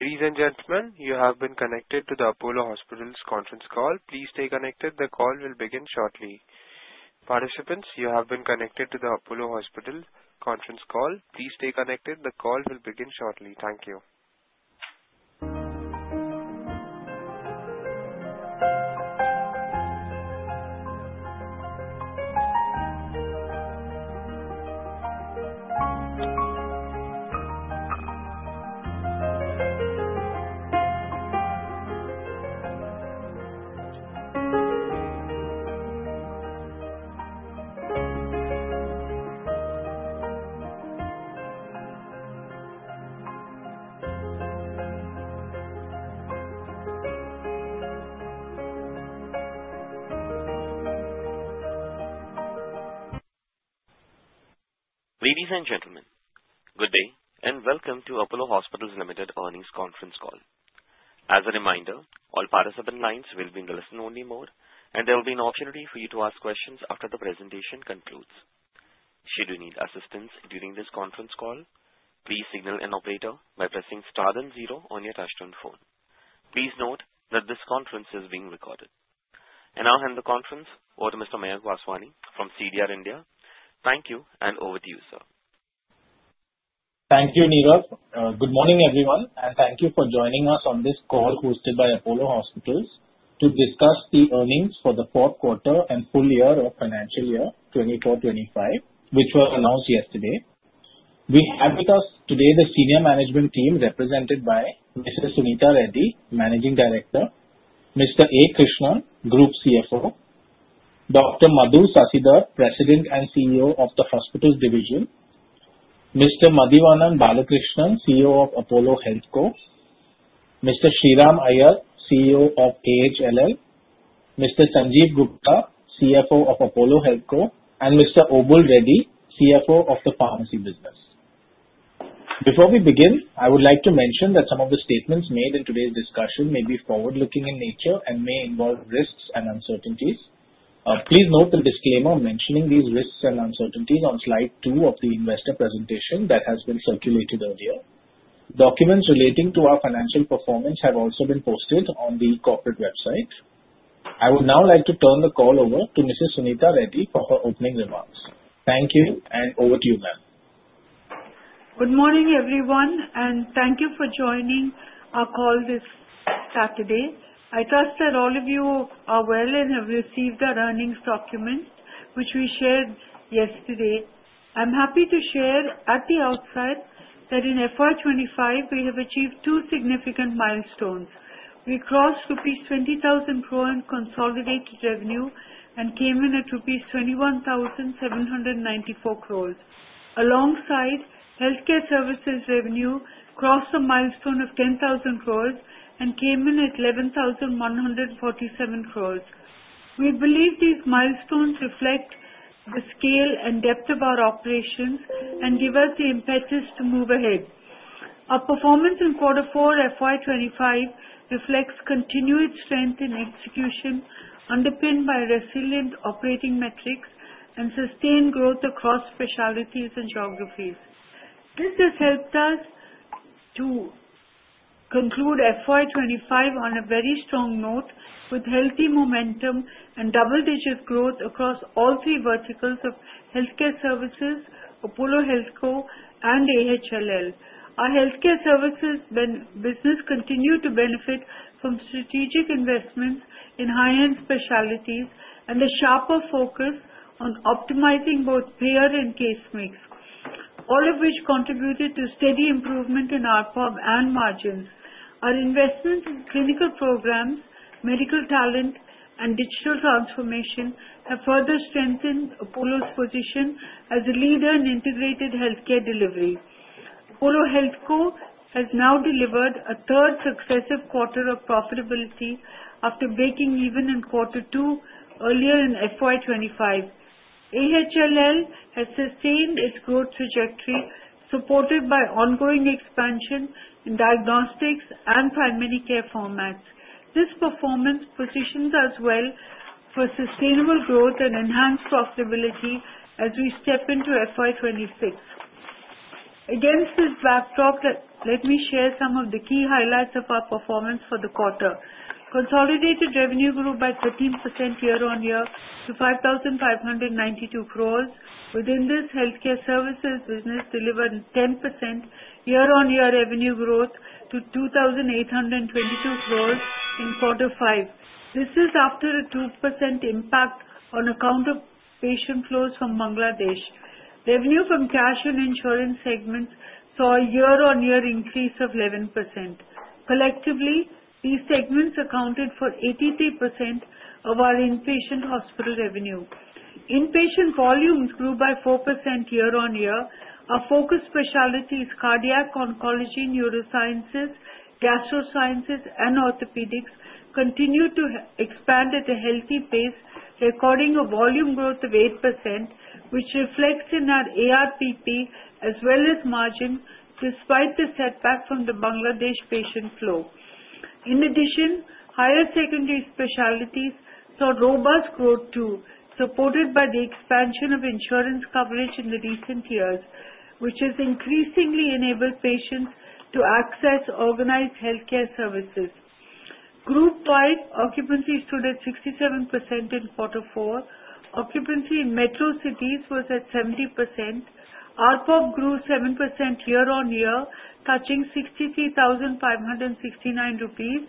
Ladies and gentlemen, you have been connected to the Apollo Hospitals conference call. Please stay connected. The call will begin shortly. Participants, you have been connected to the Apollo Hospitals conference call. Please stay connected. The call will begin shortly. Thank you. Ladies and gentlemen, good day and welcome to Apollo Hospitals' earnings conference call. As a reminder, all participant lines will be in the listen-only mode, and there will be an opportunity for you to ask questions after the presentation concludes. Should you need assistance during this conference call, please signal an operator by pressing star then zero on your touch-tone phone. Please note that this conference is being recorded. I will hand the conference over to Mr. Mayank Vaswani from CDR India. Thank you, and over to you, sir. Thank you, Neeraj. Good morning, everyone, and thank you for joining us on this call hosted by Apollo Hospitals to discuss the earnings for the fourth quarter and full year of financial year 2024-2025, which were announced yesterday. We have with us today the senior management team represented by Ms. Suneeta Reddy, Managing Director; Mr. A. Krishnan, Group CFO; Dr. Madhu Sasidhar, President and CEO of the Hospitals Division; Mr. Madhivanan Balakrishnan, CEO of Apollo HealthCo; Mr. Sriram Iyer, CEO of AHLL; Mr. Sanjiv Gupta, CFO of Apollo HealthCo; and Mr. Obul Reddy, CFO of the pharmacy business. Before we begin, I would like to mention that some of the statements made in today's discussion may be forward-looking in nature and may involve risks and uncertainties. Please note the disclaimer mentioning these risks and uncertainties on slide two of the investor presentation that has been circulated earlier. Documents relating to our financial performance have also been posted on the corporate website. I would now like to turn the call over to Mrs. Suneeta Reddy for her opening remarks. Thank you, and over to you, ma'am. Good morning, everyone, and thank you for joining our call this Saturday. I trust that all of you are well and have received our earnings document, which we shared yesterday. I'm happy to share at the outset that in FY 2025, we have achieved two significant milestones. We crossed INR 20,000 crore in consolidated revenue and came in at INR 21,794 crore. Alongside, healthcare services revenue crossed the milestone of 10,000 crore and came in at 11,147 crore. We believe these milestones reflect the scale and depth of our operations and give us the impetus to move ahead. Our performance in quarter four, FY 2025, reflects continued strength in execution, underpinned by resilient operating metrics and sustained growth across specialties and geographies. This has helped us to conclude FY 2025 on a very strong note with healthy momentum and double-digit growth across all three verticals of healthcare services, Apollo HealthCo, and AHLL. Our healthcare services business continued to benefit from strategic investments in high-end specialties and a sharper focus on optimizing both payer and case mix, all of which contributed to steady improvement in ARPOB and margins. Our investments in clinical programs, medical talent, and digital transformation have further strengthened Apollo's position as a leader in integrated healthcare delivery. Apollo HealthCo has now delivered a third successive quarter of profitability after breaking even in quarter two earlier in FY 2025. AHLL has sustained its growth trajectory, supported by ongoing expansion in diagnostics and primary care formats. This performance positions us well for sustainable growth and enhanced profitability as we step into FY 2026. Against this backdrop, let me share some of the key highlights of our performance for the quarter. Consolidated revenue grew by 13% year-on-year to 5,592 crore. Within this, healthcare services business delivered 10% year-on-year revenue growth to 2,822 crore in quarter five. This is after a 2% impact on account of patient flows from Bangladesh. Revenue from cash and insurance segments saw a year-on-year increase of 11%. Collectively, these segments accounted for 83% of our inpatient hospital revenue. Inpatient volumes grew by 4% year-on-year. Our focus specialties, cardiac oncology, neurosciences, gastro-sciences, and orthopedics, continued to expand at a healthy pace, recording a volume growth of 8%, which reflects in our ARPP as well as margin despite the setback from the Bangladesh patient flow. In addition, higher secondary specialties saw robust growth too, supported by the expansion of insurance coverage in the recent years, which has increasingly enabled patients to access organized healthcare services. Group-wide, occupancy stood at 67% in quarter four. Occupancy in metro cities was at 70%. ARPOB grew 7% year-on-year, touching 63,569 rupees.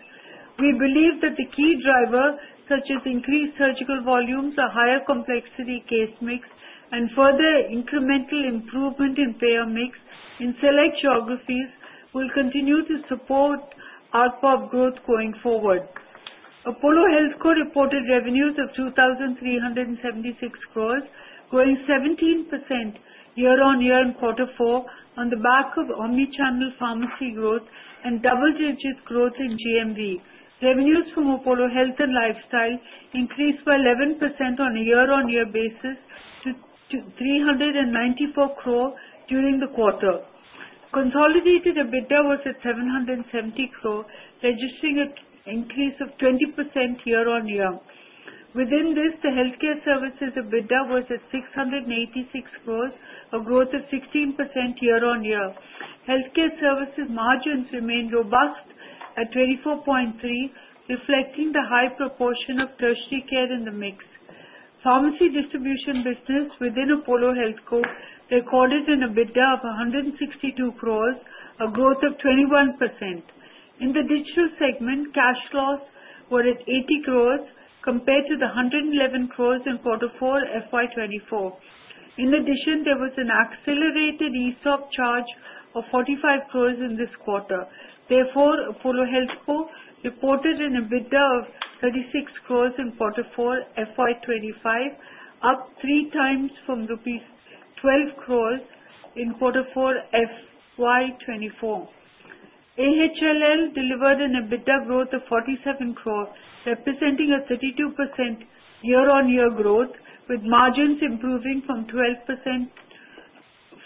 We believe that the key driver, such as increased surgical volumes, a higher complexity case mix, and further incremental improvement in payer mix in select geographies, will continue to support ARPOB growth going forward. Apollo HealthCo reported revenues of 2,376 crore, growing 17% year-on-year in quarter four on the back of omnichannel pharmacy growth and double-digit growth in GMV. Revenues from Apollo Health and Lifestyle increased by 11% on a year-on-year basis to 394 crore during the quarter. Consolidated EBITDA was at 770 crore, registering an increase of 20% year-on-year. Within this, the healthcare services EBITDA was at 686 crore, a growth of 16% year-on-year. Healthcare services margins remained robust at 24.3%, reflecting the high proportion of tertiary care in the mix. Pharmacy distribution business within Apollo HealthCo recorded an EBITDA of 162 crore, a growth of 21%. In the digital segment, cash loss was at 80 crore compared to the 111 crore in quarter four, FY 2024. In addition, there was an accelerated ESOP charge of 45 crore in this quarter. Therefore, Apollo HealthCo reported an EBITDA of 36 crore in quarter four, FY 2025, up three times from INR 12 crore in quarter four, FY 2024. AHLL delivered an EBITDA growth of 47 crore, representing a 32% year-on-year growth, with margins improving to 12%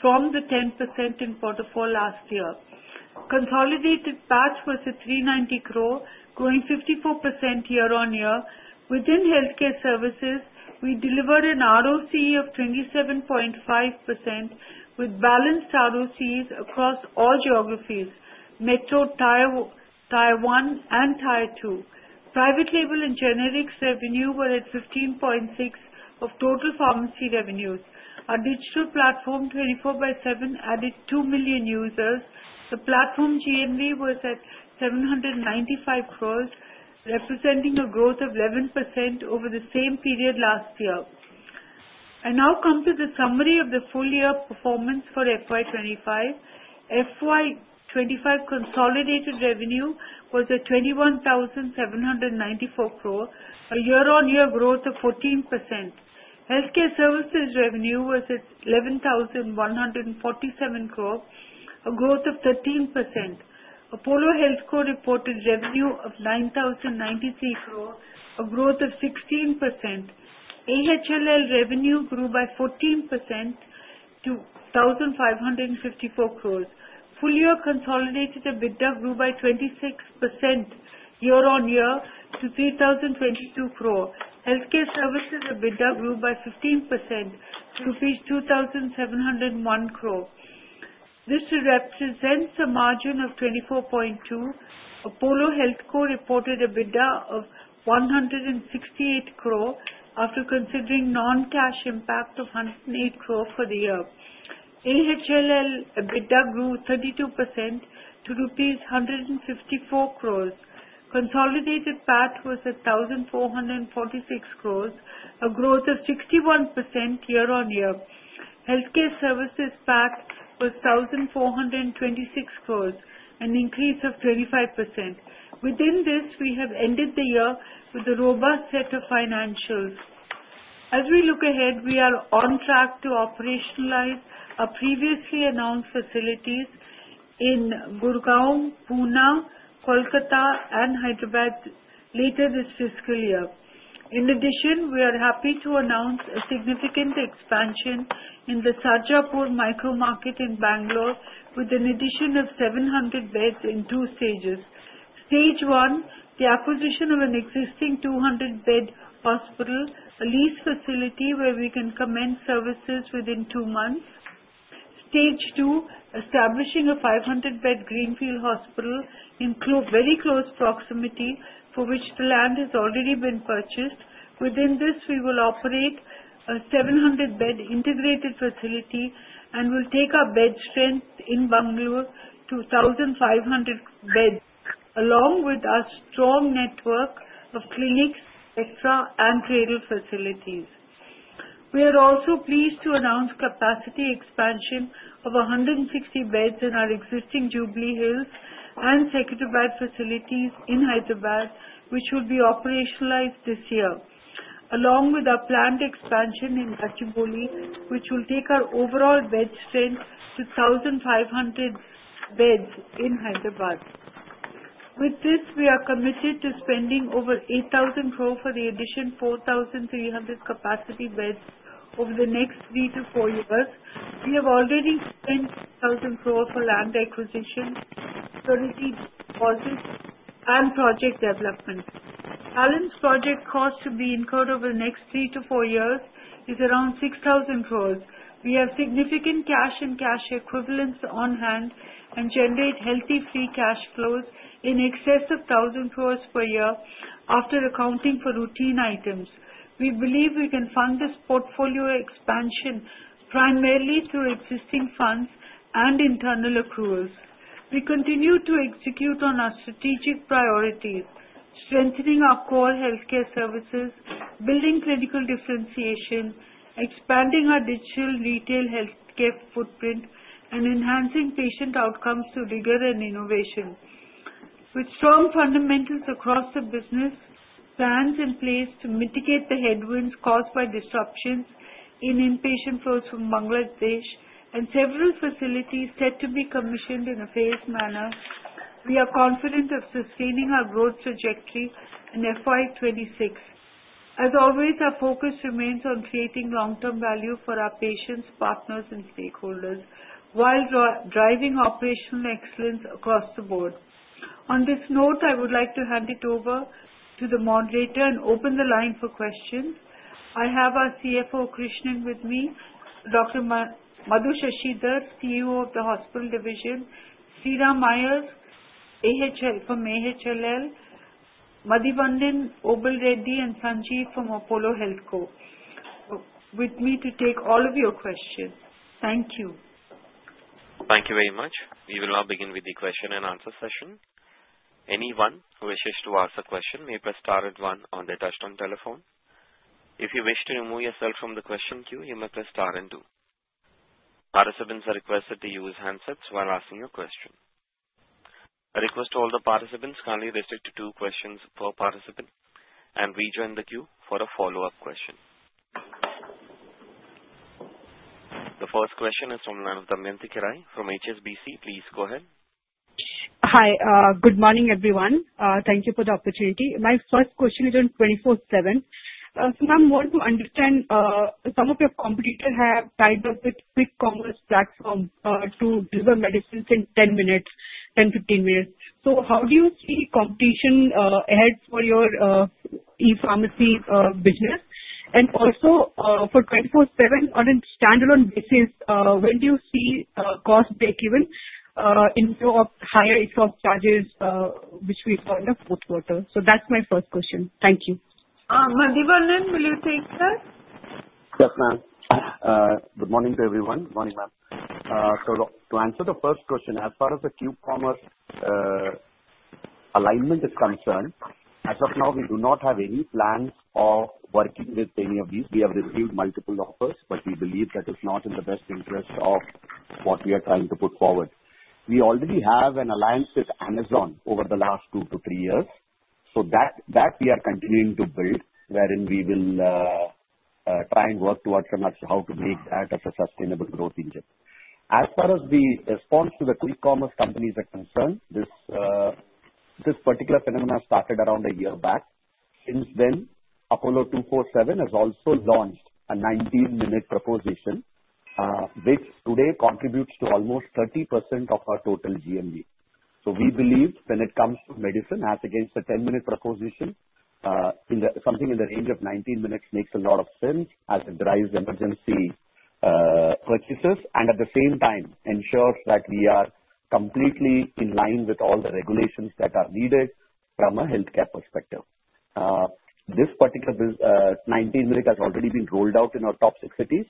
from the 10% in quarter four last year. Consolidated PAT was at 390 crore, growing 54% year-on-year. Within healthcare services, we delivered an ROC of 27.5% with balanced ROCs across all geographies, metro Taiwan and Taichung. Private label and generics revenue were at 15.6% of total pharmacy revenues. Our digital platform 24x7 added 2 million users. The platform GMV was at 795 crore, representing a growth of 11% over the same period last year. I now come to the summary of the full-year performance for FY 2025. FY 2025 consolidated revenue was at 21,794 crore, a year-on-year growth of 14%. Healthcare services revenue was at 11,147 crore, a growth of 13%. Apollo HealthCo reported revenue of 9,093 crore, a growth of 16%. AHLL revenue grew by 14% to 1,554 crore. Full-year consolidated EBITDA grew by 26% year-on-year to 3,022 crore. Healthcare services EBITDA grew by 15% to 2,701 crore. This represents a margin of 24.2%. Apollo HealthCo reported EBITDA of 168 crore after considering non-cash impact of 108 crore for the year. AHLL EBITDA grew 32% to rupees 154 crore. Consolidated PAT was at 1,446 crore, a growth of 61% year-on-year. Healthcare services PAT was 1,426 crore, an increase of 25%. Within this, we have ended the year with a robust set of financials. As we look ahead, we are on track to operationalize our previously announced facilities in Gurgaon, Pune, Kolkata, and Hyderabad later this fiscal year. In addition, we are happy to announce a significant expansion in the Sarjapur micro-market in Bangalore with an addition of 700 beds in two stages. Stage one, the acquisition of an existing 200-bed hospital, a lease facility where we can commence services within two months. Stage two, establishing a 500-bed greenfield hospital in very close proximity for which the land has already been purchased. Within this, we will operate a 700-bed integrated facility and will take our bed strength in Bangalore to 1,500 beds along with our strong network of clinics, extra, and Cradle facilities. We are also pleased to announce capacity expansion of 160 beds in our existing Jubilee Hills and Secunderabad facilities in Hyderabad, which will be operationalized this year, along with our planned expansion in Gachibowli, which will take our overall bed strength to 1,500 beds in Hyderabad. With this, we are committed to spending over 8,000 crore for the additional 4,300 capacity beds over the next three to four years. We have already spent 1,000 crore for land acquisition, security deposits, and project development. Talent project costs to be incurred over the next three to four years is around 6,000 crore. We have significant cash and cash equivalents on hand and generate healthy free cash flows in excess of 1,000 crore per year after accounting for routine items. We believe we can fund this portfolio expansion primarily through existing funds and internal accruals. We continue to execute on our strategic priorities, strengthening our core healthcare services, building clinical differentiation, expanding our digital retail healthcare footprint, and enhancing patient outcomes through rigor and innovation. With strong fundamentals across the business, plans in place to mitigate the headwinds caused by disruptions in inpatient flows from Bangladesh and several facilities set to be commissioned in a phased manner, we are confident of sustaining our growth trajectory in FY 2026. As always, our focus remains on creating long-term value for our patients, partners, and stakeholders while driving operational excellence across the board. On this note, I would like to hand it over to the moderator and open the line for questions. I have our CFO, Krishnan, with me, Dr. Madhu Sasidhar, CEO of the hospital division, Sriram Iyer from AHLL, Madhivanan, Obul Reddy, and Sanjiv from Apollo HealthCo with me to take all of your questions. Thank you. Thank you very much. We will now begin with the question and answer session. Anyone who wishes to ask a question may press star and one on the touch-tone telephone. If you wish to remove yourself from the question queue, you may press star and two. Participants are requested to use handsets while asking your question. I request all the participants kindly restrict to two questions per participant and rejoin the queue for a follow-up question. The first question is from Damayanti Kerai from HSBC. Please go ahead. Hi, good morning, everyone. Thank you for the opportunity. My first question is on 24/7. Sir, I'm wanting to understand some of your competitors have tied up with quick commerce platform to deliver medicines in 10 minutes, 10, 15 minutes. How do you see competition ahead for your e-pharmacy business? Also, for 24/7 on a standalone basis, when do you see cost break-even in view of higher ESOP charges which we found in the fourth quarter? That's my first question. Thank you. Madhivanan, will you take that? Yes, ma'am. Good morning to everyone. Good morning, ma'am. To answer the first question, as far as the QCommerce alignment is concerned, as of now, we do not have any plans of working with any of these. We have received multiple offers, but we believe that it's not in the best interest of what we are trying to put forward. We already have an alliance with Amazon over the last two to three years. That, we are continuing to build, wherein we will try and work towards how to make that a sustainable growth engine. As far as the response to the quick commerce companies is concerned, this particular phenomenon started around a year back. Since then, Apollo 24/7 has also launched a 19-minute proposition, which today contributes to almost 30% of our total GMV. We believe when it comes to medicine, as against a 10-minute proposition, something in the range of 19 minutes makes a lot of sense as it drives emergency purchases and at the same time ensures that we are completely in line with all the regulations that are needed from a healthcare perspective. This particular 19-minute has already been rolled out in our top six cities.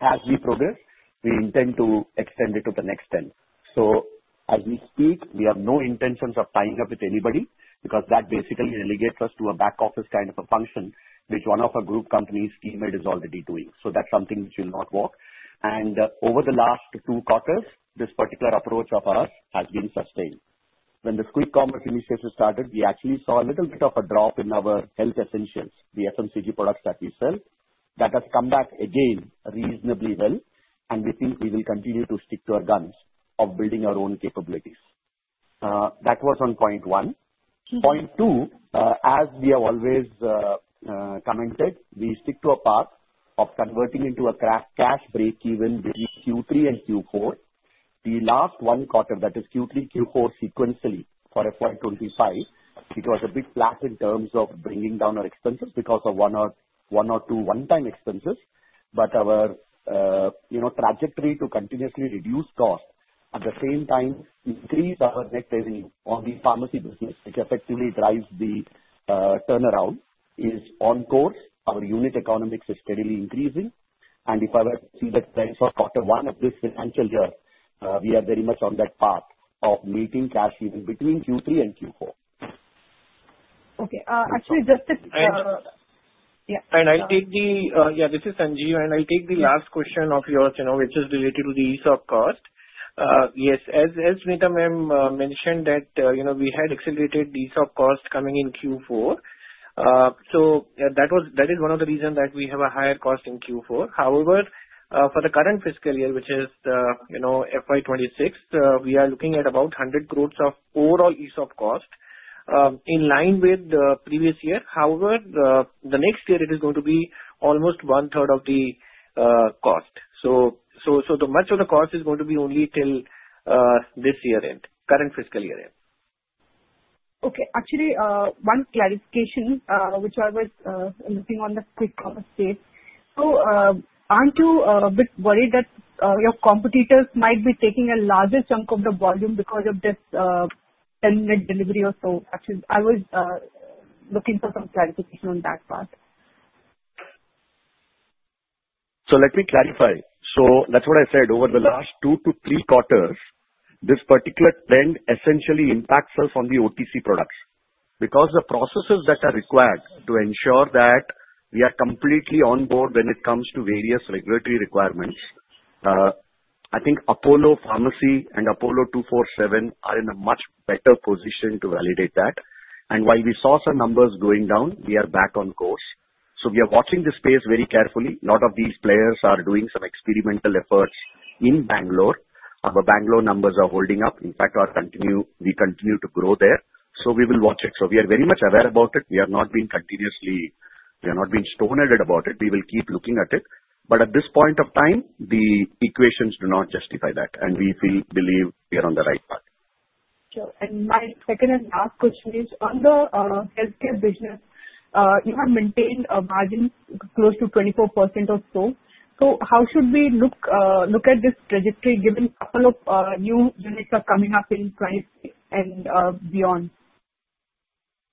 As we progress, we intend to extend it to the next 10. As we speak, we have no intentions of tying up with anybody because that basically relegates us to a back office kind of a function, which one of our group companies, Keimed, is already doing. That is something which will not work. Over the last two quarters, this particular approach of ours has been sustained. When the quick commerce initiative started, we actually saw a little bit of a drop in our health essentials, the FMCG products that we sell. That has come back again reasonably well, and we think we will continue to stick to our guns of building our own capabilities. That was on point one. Point two, as we have always commented, we stick to a path of converting into a cash break-even between Q3 and Q4. The last one quarter, that is Q3, Q4 sequentially for FY 2025, it was a bit flat in terms of bringing down our expenses because of one or two one-time expenses. Our trajectory to continuously reduce costs at the same time increase our net revenue on the pharmacy business, which effectively drives the turnaround, is on course. Our unit economics is steadily increasing. If I were to see the trends for quarter one of this financial year, we are very much on that path of meeting cash even between Q3 and Q4. Okay. Actually, just to. I'll take the. Yes. Yeah, this is Sanjiv. I'll take the last question of yours, which is related to the ESOP cost. Yes, as Suneeta Ma'am mentioned, we had accelerated ESOP cost coming in Q4. That is one of the reasons that we have a higher cost in Q4. However, for the current fiscal year, which is FY 2026, we are looking at about 100 crore of overall ESOP cost in line with the previous year. However, the next year, it is going to be almost one-third of the cost. Much of the cost is going to be only till this year-end, current fiscal year-end. Okay. Actually, one clarification, which I was looking on the quick commerce page. Aren't you a bit worried that your competitors might be taking a larger chunk of the volume because of this 10-minute delivery or so? Actually, I was looking for some clarification on that part. Let me clarify. That is what I said. Over the last two to three quarters, this particular trend essentially impacts us on the OTC products because the processes that are required to ensure that we are completely on board when it comes to various regulatory requirements. I think Apollo Pharmacy and Apollo 24/7 are in a much better position to validate that. While we saw some numbers going down, we are back on course. We are watching the space very carefully. A lot of these players are doing some experimental efforts in Bangalore. Our Bangalore numbers are holding up. In fact, we continue to grow there. We will watch it. We are very much aware about it. We are not being continuously. We are not being stonewashed about it. We will keep looking at it. At this point of time, the equations do not justify that. We believe we are on the right path. Sure. My second and last question is on the healthcare business. You have maintained a margin close to 24% or so. How should we look at this trajectory given a couple of new units are coming up in 2026 and beyond?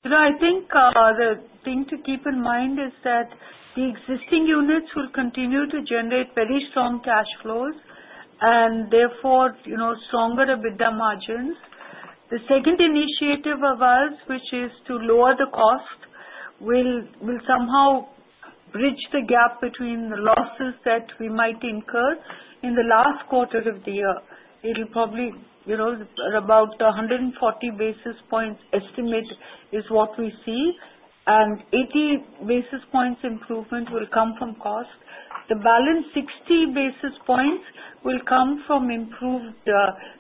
Sir, I think the thing to keep in mind is that the existing units will continue to generate very strong cash flows and therefore stronger EBITDA margins. The second initiative of ours, which is to lower the cost, will somehow bridge the gap between the losses that we might incur in the last quarter of the year. It'll probably be about 140 basis points estimate is what we see. And 80 basis points improvement will come from cost. The balance, 60 basis points, will come from improved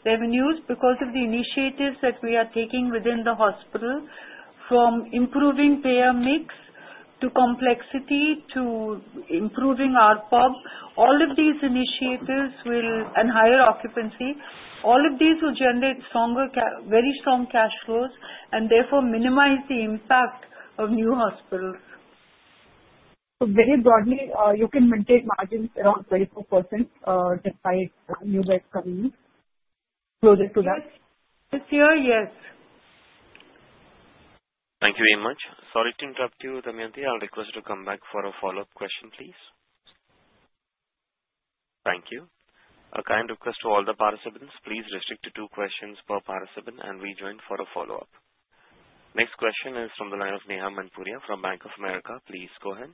revenues because of the initiatives that we are taking within the hospital from improving payer mix to complexity to improving our PUG. All of these initiatives will. And higher occupancy. All of these will generate very strong cash flows and therefore minimize the impact of new hospitals. Very broadly, you can maintain margins around 24% despite new beds coming in. Closer to that? This year, yes. Thank you very much. Sorry to interrupt you, Damyanti. I'll request you to come back for a follow-up question, please. Thank you. A kind request to all the participants, please restrict to two questions per participant and rejoin for a follow-up. Next question is from the line of Neha Manpuria from Bank of America. Please go ahead.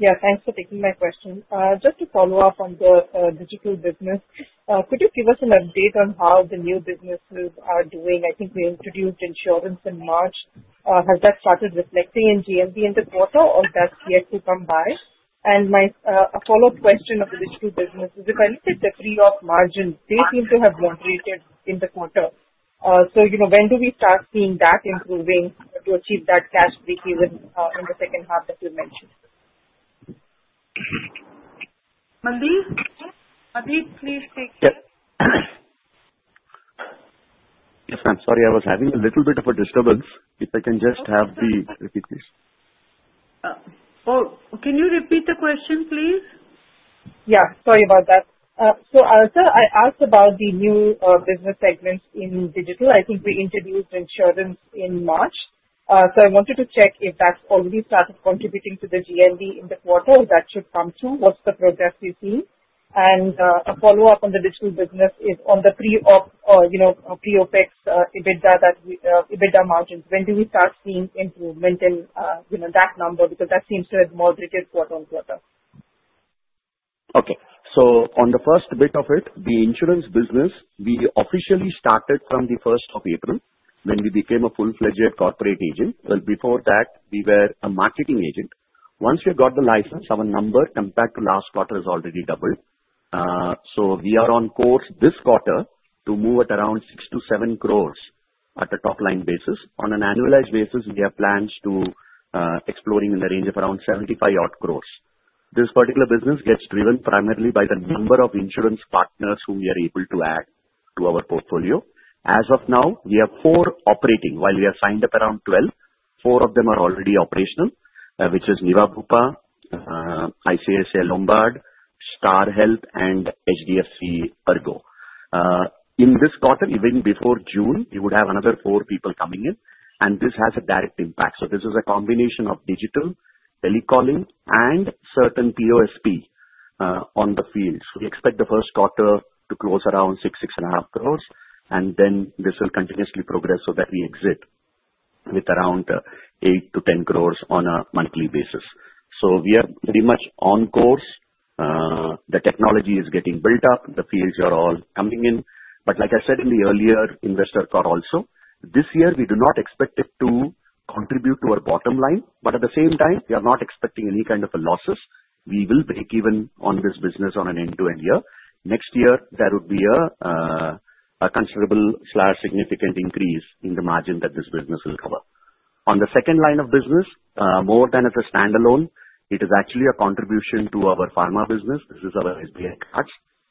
Yeah. Thanks for taking my question. Just to follow up on the digital business, could you give us an update on how the new businesses are doing? I think we introduced insurance in March. Has that started reflecting in GMV in the quarter, or that's yet to come by? My follow-up question on the digital business is, if I look at the pre-op margins, they seem to have moderated in the quarter. When do we start seeing that improving to achieve that cash break-even in the second half that you mentioned? Madhi, please take it. Yes, ma'am. Sorry, I was having a little bit of a disturbance. If I can just have the repeat, please. Oh, can you repeat the question, please? Yeah. Sorry about that. I asked about the new business segments in digital. I think we introduced insurance in March. I wanted to check if that's already started contributing to the GMV in the quarter or that should come through. What's the progress we've seen? A follow-up on the digital business is on the pre-op EBITDA margins. When do we start seeing improvement in that number? That seems to have moderated quarter on quarter. Okay. On the first bit of it, the insurance business, we officially started from the 1st of April when we became a full-fledged corporate agent. Before that, we were a marketing agent. Once we got the license, our number compared to last quarter has already doubled. We are on course this quarter to move at around 6 crores-7 crores at a top-line basis. On an annualized basis, we have plans to be exploring in the range of around 75 crores. This particular business gets driven primarily by the number of insurance partners who we are able to add to our portfolio. As of now, we have four operating. While we have signed up around 12, four of them are already operational, which is Niva Bupa, ICICI Lombard, Star Health, and HDFC Ergo. In this quarter, even before June, you would have another four people coming in. This has a direct impact. This is a combination of digital, telecalling, and certain POSP on the field. We expect the first quarter to close around 6 crore-6.5 crore. This will continuously progress so that we exit with around 8 crore-10 crore on a monthly basis. We are pretty much on course. The technology is getting built up. The fields are all coming in. Like I said in the earlier investor call also, this year, we do not expect it to contribute to our bottom line. At the same time, we are not expecting any kind of losses. We will break even on this business on an end-to-end year. Next year, there would be a considerable/significant increase in the margin that this business will cover. On the second line of business, more than as a standalone, it is actually a contribution to our pharma business. This is our HDFC cards.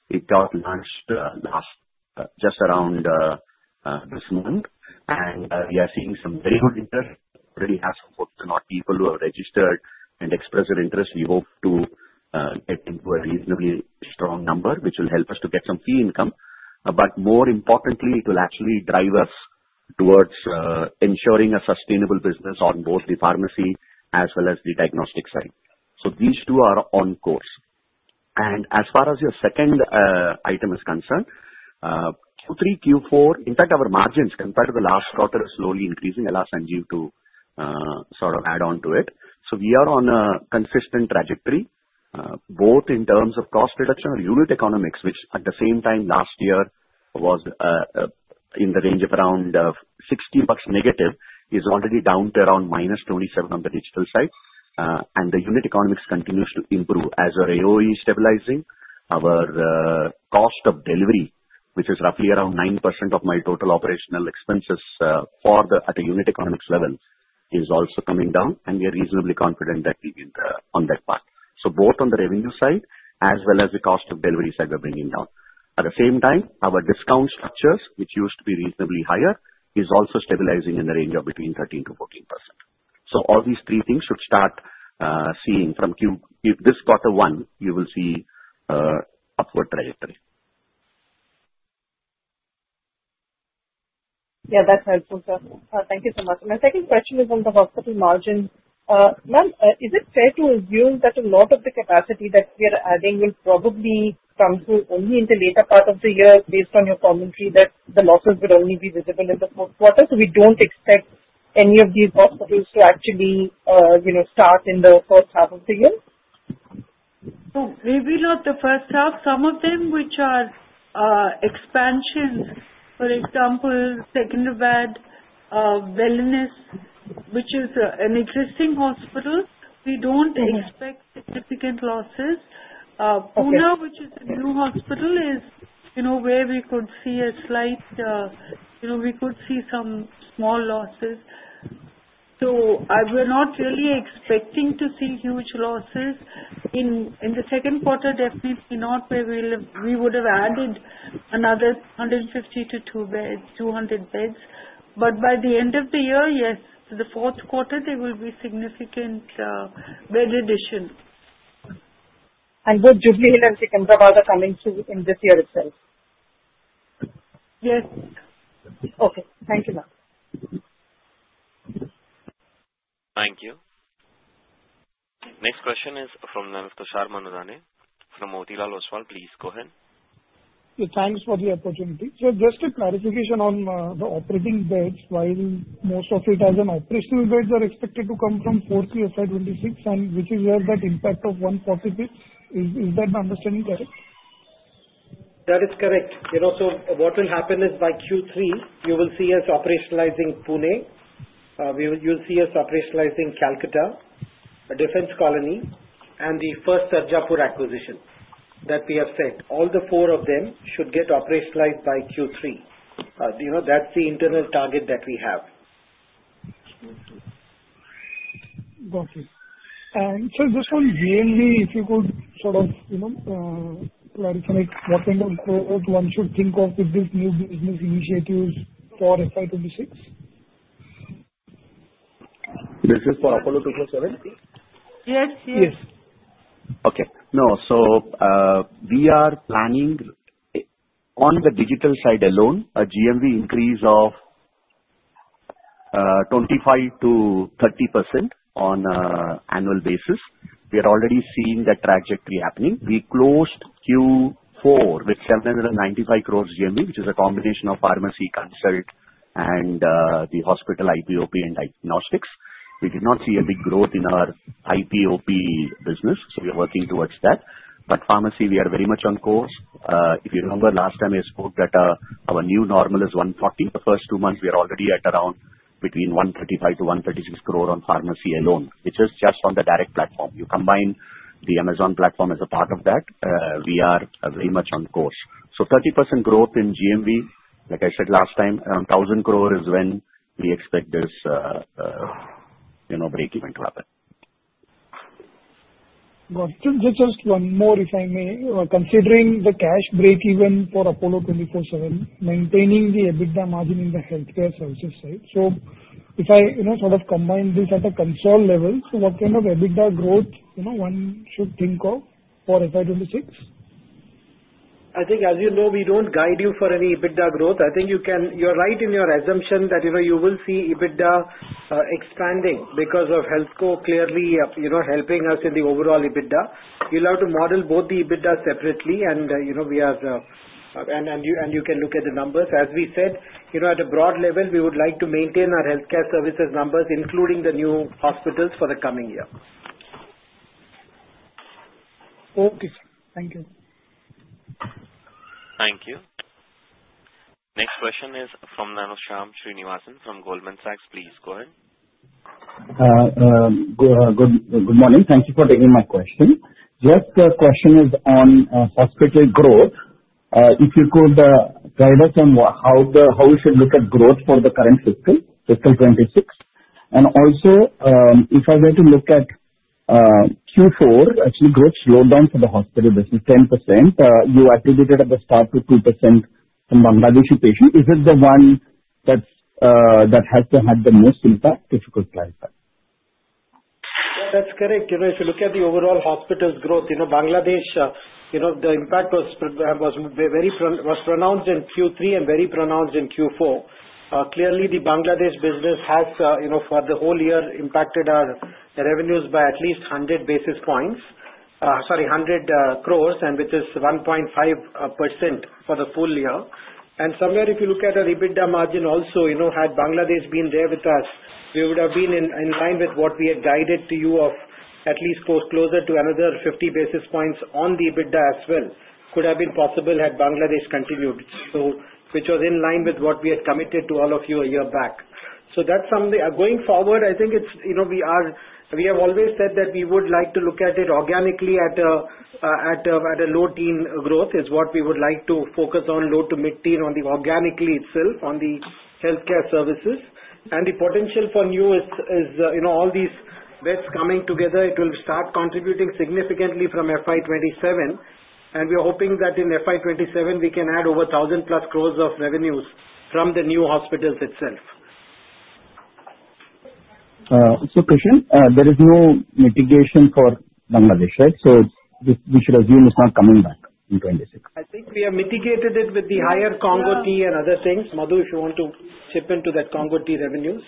It got launched just around this month. We are seeing some very good interest. We already have some 40-90 people who have registered and expressed their interest. We hope to get into a reasonably strong number, which will help us to get some fee income. More importantly, it will actually drive us towards ensuring a sustainable business on both the pharmacy as well as the diagnostic side. These two are on course. As far as your second item is concerned, Q3, Q4, in fact, our margins compared to the last quarter are slowly increasing. I'll ask Sanjiv to sort of add on to it. We are on a consistent trajectory, both in terms of cost reduction or unit economics, which at the same time, last year, was in the range of around INR 60 negative, is already down to around -27 on the digital side. The unit economics continues to improve. As our AOE is stabilizing, our cost of delivery, which is roughly around 9% of my total operational expenses at a unit economics level, is also coming down. We are reasonably confident that we've been on that path. Both on the revenue side as well as the cost of delivery side, we're bringing down. At the same time, our discount structures, which used to be reasonably higher, are also stabilizing in the range of between 13%-14%. All these three things should start seeing from Q. If this quarter one, you will see upward trajectory. Yeah, that's helpful, sir. Thank you so much. My second question is on the hospital margin. Ma'am, is it fair to assume that a lot of the capacity that we are adding will probably come through only in the later part of the year based on your commentary that the losses would only be visible in the fourth quarter? So we don't expect any of these hospitals to actually start in the first half of the year? We will not the first half. Some of them, which are expansions, for example, Second Avadh, Vellines, which is an existing hospital. We do not expect significant losses. Pune, which is a new hospital, is where we could see a slight, we could see some small losses. We are not really expecting to see huge losses. In the second quarter, definitely not, where we would have added another 150-200 beds. By the end of the year, yes. The fourth quarter, there will be significant bed addition. Would you feel as the Chandrabhaga coming through in this year itself? Yes. Okay. Thank you, ma'am. Thank you. Next question is from Tushar Manudhane from Motilal Oswal. Please go ahead. Thanks for the opportunity. Just a clarification on the operating beds, while most of it, as in operational beds, are expected to come from fourth to FY 2026, which is where that impact of 140 beds. Is that my understanding correct? That is correct. What will happen is by Q3, you will see us operationalizing Pune. You will see us operationalizing Kolkata, a defense colony, and the first Sarjapur acquisition that we have said. All four of them should get operationalized by Q3. That is the internal target that we have. Got it. And so just on GMV, if you could sort of clarify, what kind of growth one should think of with these new business initiatives for FY 2026? This is for Apollo 24/7? Yes, yes. Yes. Okay. No, so we are planning on the digital side alone, a GMV increase of 25%-30% on an annual basis. We are already seeing that trajectory happening. We closed Q4 with 795 crore GMV, which is a combination of pharmacy, consult, and the hospital IPOP and diagnostics. We did not see a big growth in our IPOP business. We are working towards that. Pharmacy, we are very much on course. If you remember last time I spoke that our new normal is 140, the first two months we are already at around between 135-136 crore on pharmacy alone, which is just on the direct platform. You combine the Amazon platform as a part of that. We are very much on course. 30% growth in GMV, like I said last time, around 1,000 crore is when we expect this break-even to happen. Got it. Just one more, if I may. Considering the cash break-even for Apollo 24/7, maintaining the EBITDA margin in the healthcare services side. If I sort of combine this at a consult level, what kind of EBITDA growth one should think of for FY 2026? I think, as you know, we do not guide you for any EBITDA growth. I think you are right in your assumption that you will see EBITDA expanding because of HealthCo clearly helping us in the overall EBITDA. You will have to model both the EBITDA separately, and we have and you can look at the numbers. As we said, at a broad level, we would like to maintain our healthcare services numbers, including the new hospitals for the coming year. Okay. Thank you. Thank you. Next question is from Shyam Srinivasan from Goldman Sachs. Please go ahead. Good morning. Thank you for taking my question. Just the question is on hospital growth. If you could guide us on how we should look at growth for the current fiscal, fiscal 2026. Also, if I were to look at Q4, actually growth slowed down for the hospital business, 10%. You attributed at the start to 2% from Bangladeshi patients. Is it the one that has had the most impact if you could clarify? Yeah, that's correct. If you look at the overall hospitals growth, Bangladesh, the impact was pronounced in Q3 and very pronounced in Q4. Clearly, the Bangladesh business has for the whole year impacted our revenues by at least 100 crore, which is 1.5% for the full year. And somewhere, if you look at our EBITDA margin also, had Bangladesh been there with us, we would have been in line with what we had guided to you of at least closer to another 50 basis points on the EBITDA as well. Could have been possible had Bangladesh continued, which was in line with what we had committed to all of you a year back. That's something. Going forward, I think we have always said that we would like to look at it organically at a low-teens growth is what we would like to focus on, low to mid-teens on the organically itself, on the healthcare services. The potential for new is all these beds coming together, it will start contributing significantly from FY 2027. We are hoping that in FY 2027, we can add over 1,000+ crore of revenues from the new hospitals itself. Krishnan, there is no mitigation for Bangladesh, right? We should assume it's not coming back in 2026? I think we have mitigated it with the higher Congo tea and other things. Madhu, if you want to chip into that Congo tea revenues.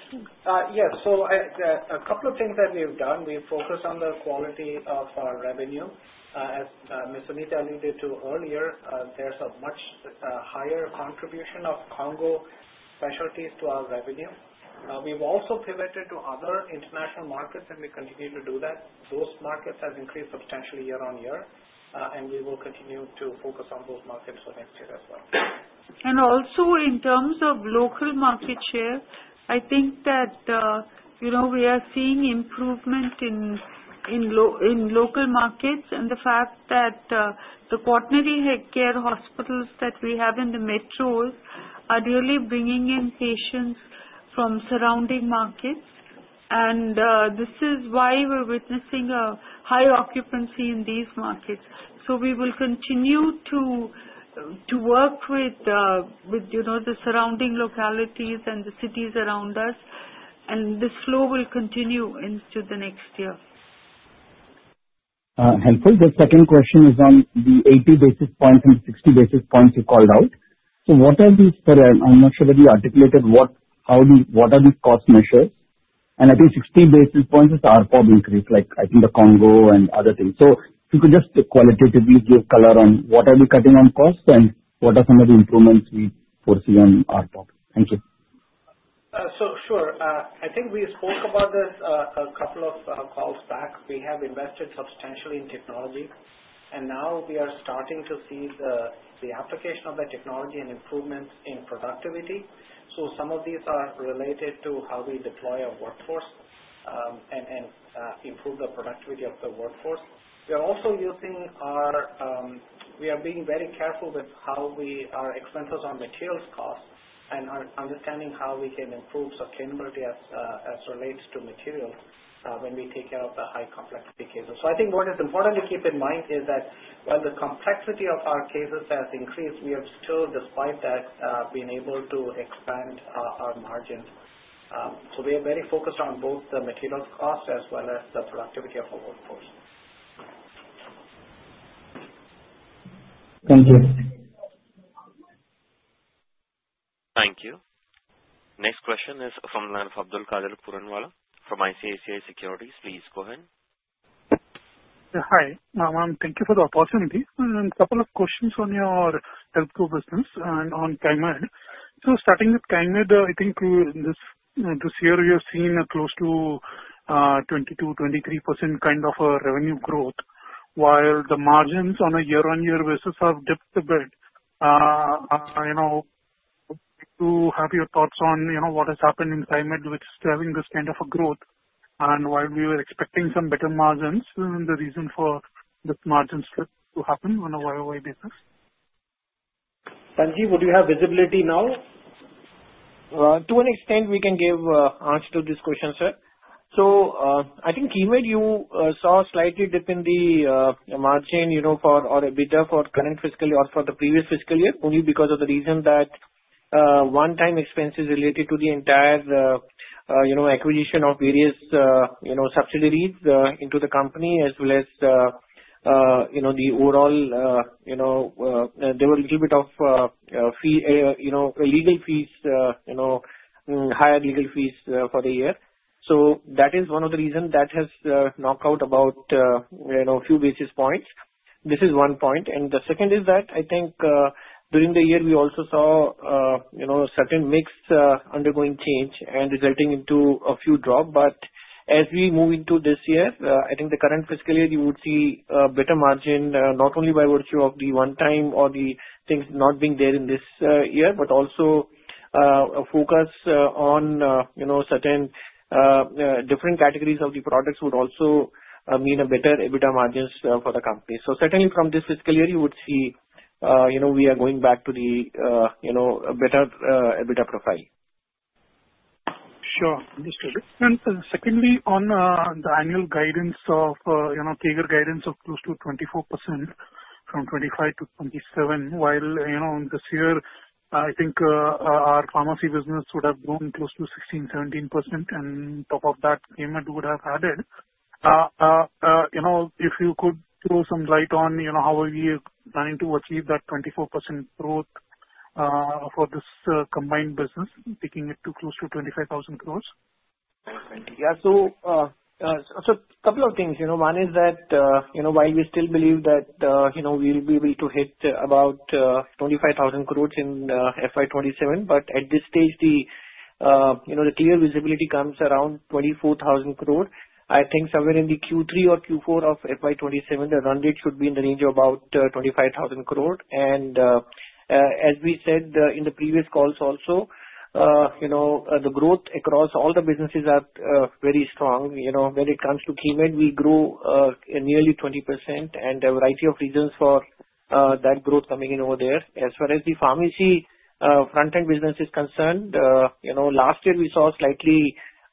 Yes. A couple of things that we have done, we have focused on the quality of our revenue. As Ms. Suneeta alluded to earlier, there is a much higher contribution of Congo specialties to our revenue. We have also pivoted to other international markets, and we continue to do that. Those markets have increased substantially year on year. We will continue to focus on those markets for next year as well. In terms of local market share, I think that we are seeing improvement in local markets and the fact that the coronary healthcare hospitals that we have in the metros are really bringing in patients from surrounding markets. This is why we're witnessing a high occupancy in these markets. We will continue to work with the surrounding localities and the cities around us. This flow will continue into the next year. Helpful. The second question is on the 80 basis points and the 60 basis points you called out. What are these? I'm not sure that you articulated what are these cost measures. I think 60 basis points is ARPOB increase, like I think the Congo and other things. If you could just qualitatively give color on what are we cutting on costs and what are some of the improvements we foresee on ARPOB. Thank you. Sure. I think we spoke about this a couple of calls back. We have invested substantially in technology. Now we are starting to see the application of that technology and improvements in productivity. Some of these are related to how we deploy our workforce and improve the productivity of the workforce. We are also being very careful with our expenses on materials cost and understanding how we can improve sustainability as it relates to materials when we take care of the high complexity cases. I think what is important to keep in mind is that while the complexity of our cases has increased, we have still, despite that, been able to expand our margins. We are very focused on both the materials cost as well as the productivity of our workforce. Thank you. Thank you. Next question is from Abdulkader Puranwala from ICICI Securities. Please go ahead. Hi. Thank you for the opportunity. A couple of questions on your HealthCo business and on Keimed. Starting with Keimed, I think this year we have seen close to 22%-23% kind of a revenue growth, while the margins on a year-on-year basis have dipped a bit. Do you have your thoughts on what has happened in Keimed, which is still having this kind of a growth, and why we were expecting some better margins? The reason for this margin slip to happen on a year-on-year basis? Sanjiv, would you have visibility now? To an extent, we can give answer to this question, sir. I think, Keimed, you saw a slight dip in the margin for our EBITDA for the current fiscal year or for the previous fiscal year only because of the reason that one-time expenses related to the entire acquisition of various subsidiaries into the company as well as the overall, there were a little bit of legal fees, higher legal fees for the year. That is one of the reasons that has knocked out about a few basis points. This is one point. The second is that I think during the year, we also saw a certain mix undergoing change and resulting into a few drops. As we move into this year, I think the current fiscal year, you would see a better margin not only by virtue of the one-time or the things not being there in this year, but also a focus on certain different categories of the products would also mean a better EBITDA margins for the company. Certainly from this fiscal year, you would see we are going back to the better EBITDA profile. Sure. Understood. Secondly, on the annual guidance of CAGR guidance of close to 24% from 2025 to 2027, while this year, I think our pharmacy business would have grown close to 16%-17%, and on top of that, Keimed would have added. If you could throw some light on how are we planning to achieve that 24% growth for this combined business, taking it to close to 25,000 crore? Yeah. So a couple of things. One is that while we still believe that we'll be able to hit about 25,000 crore in FY 2027, at this stage, the clear visibility comes around 24,000 crore. I think somewhere in Q3 or Q4 of FY 2027, the run rate should be in the range of about 25,000 crore. As we said in the previous calls also, the growth across all the businesses is very strong. When it comes to Keimed, we grew nearly 20%, and there are a variety of reasons for that growth coming in over there. As far as the pharmacy front-end business is concerned, last year we saw a slight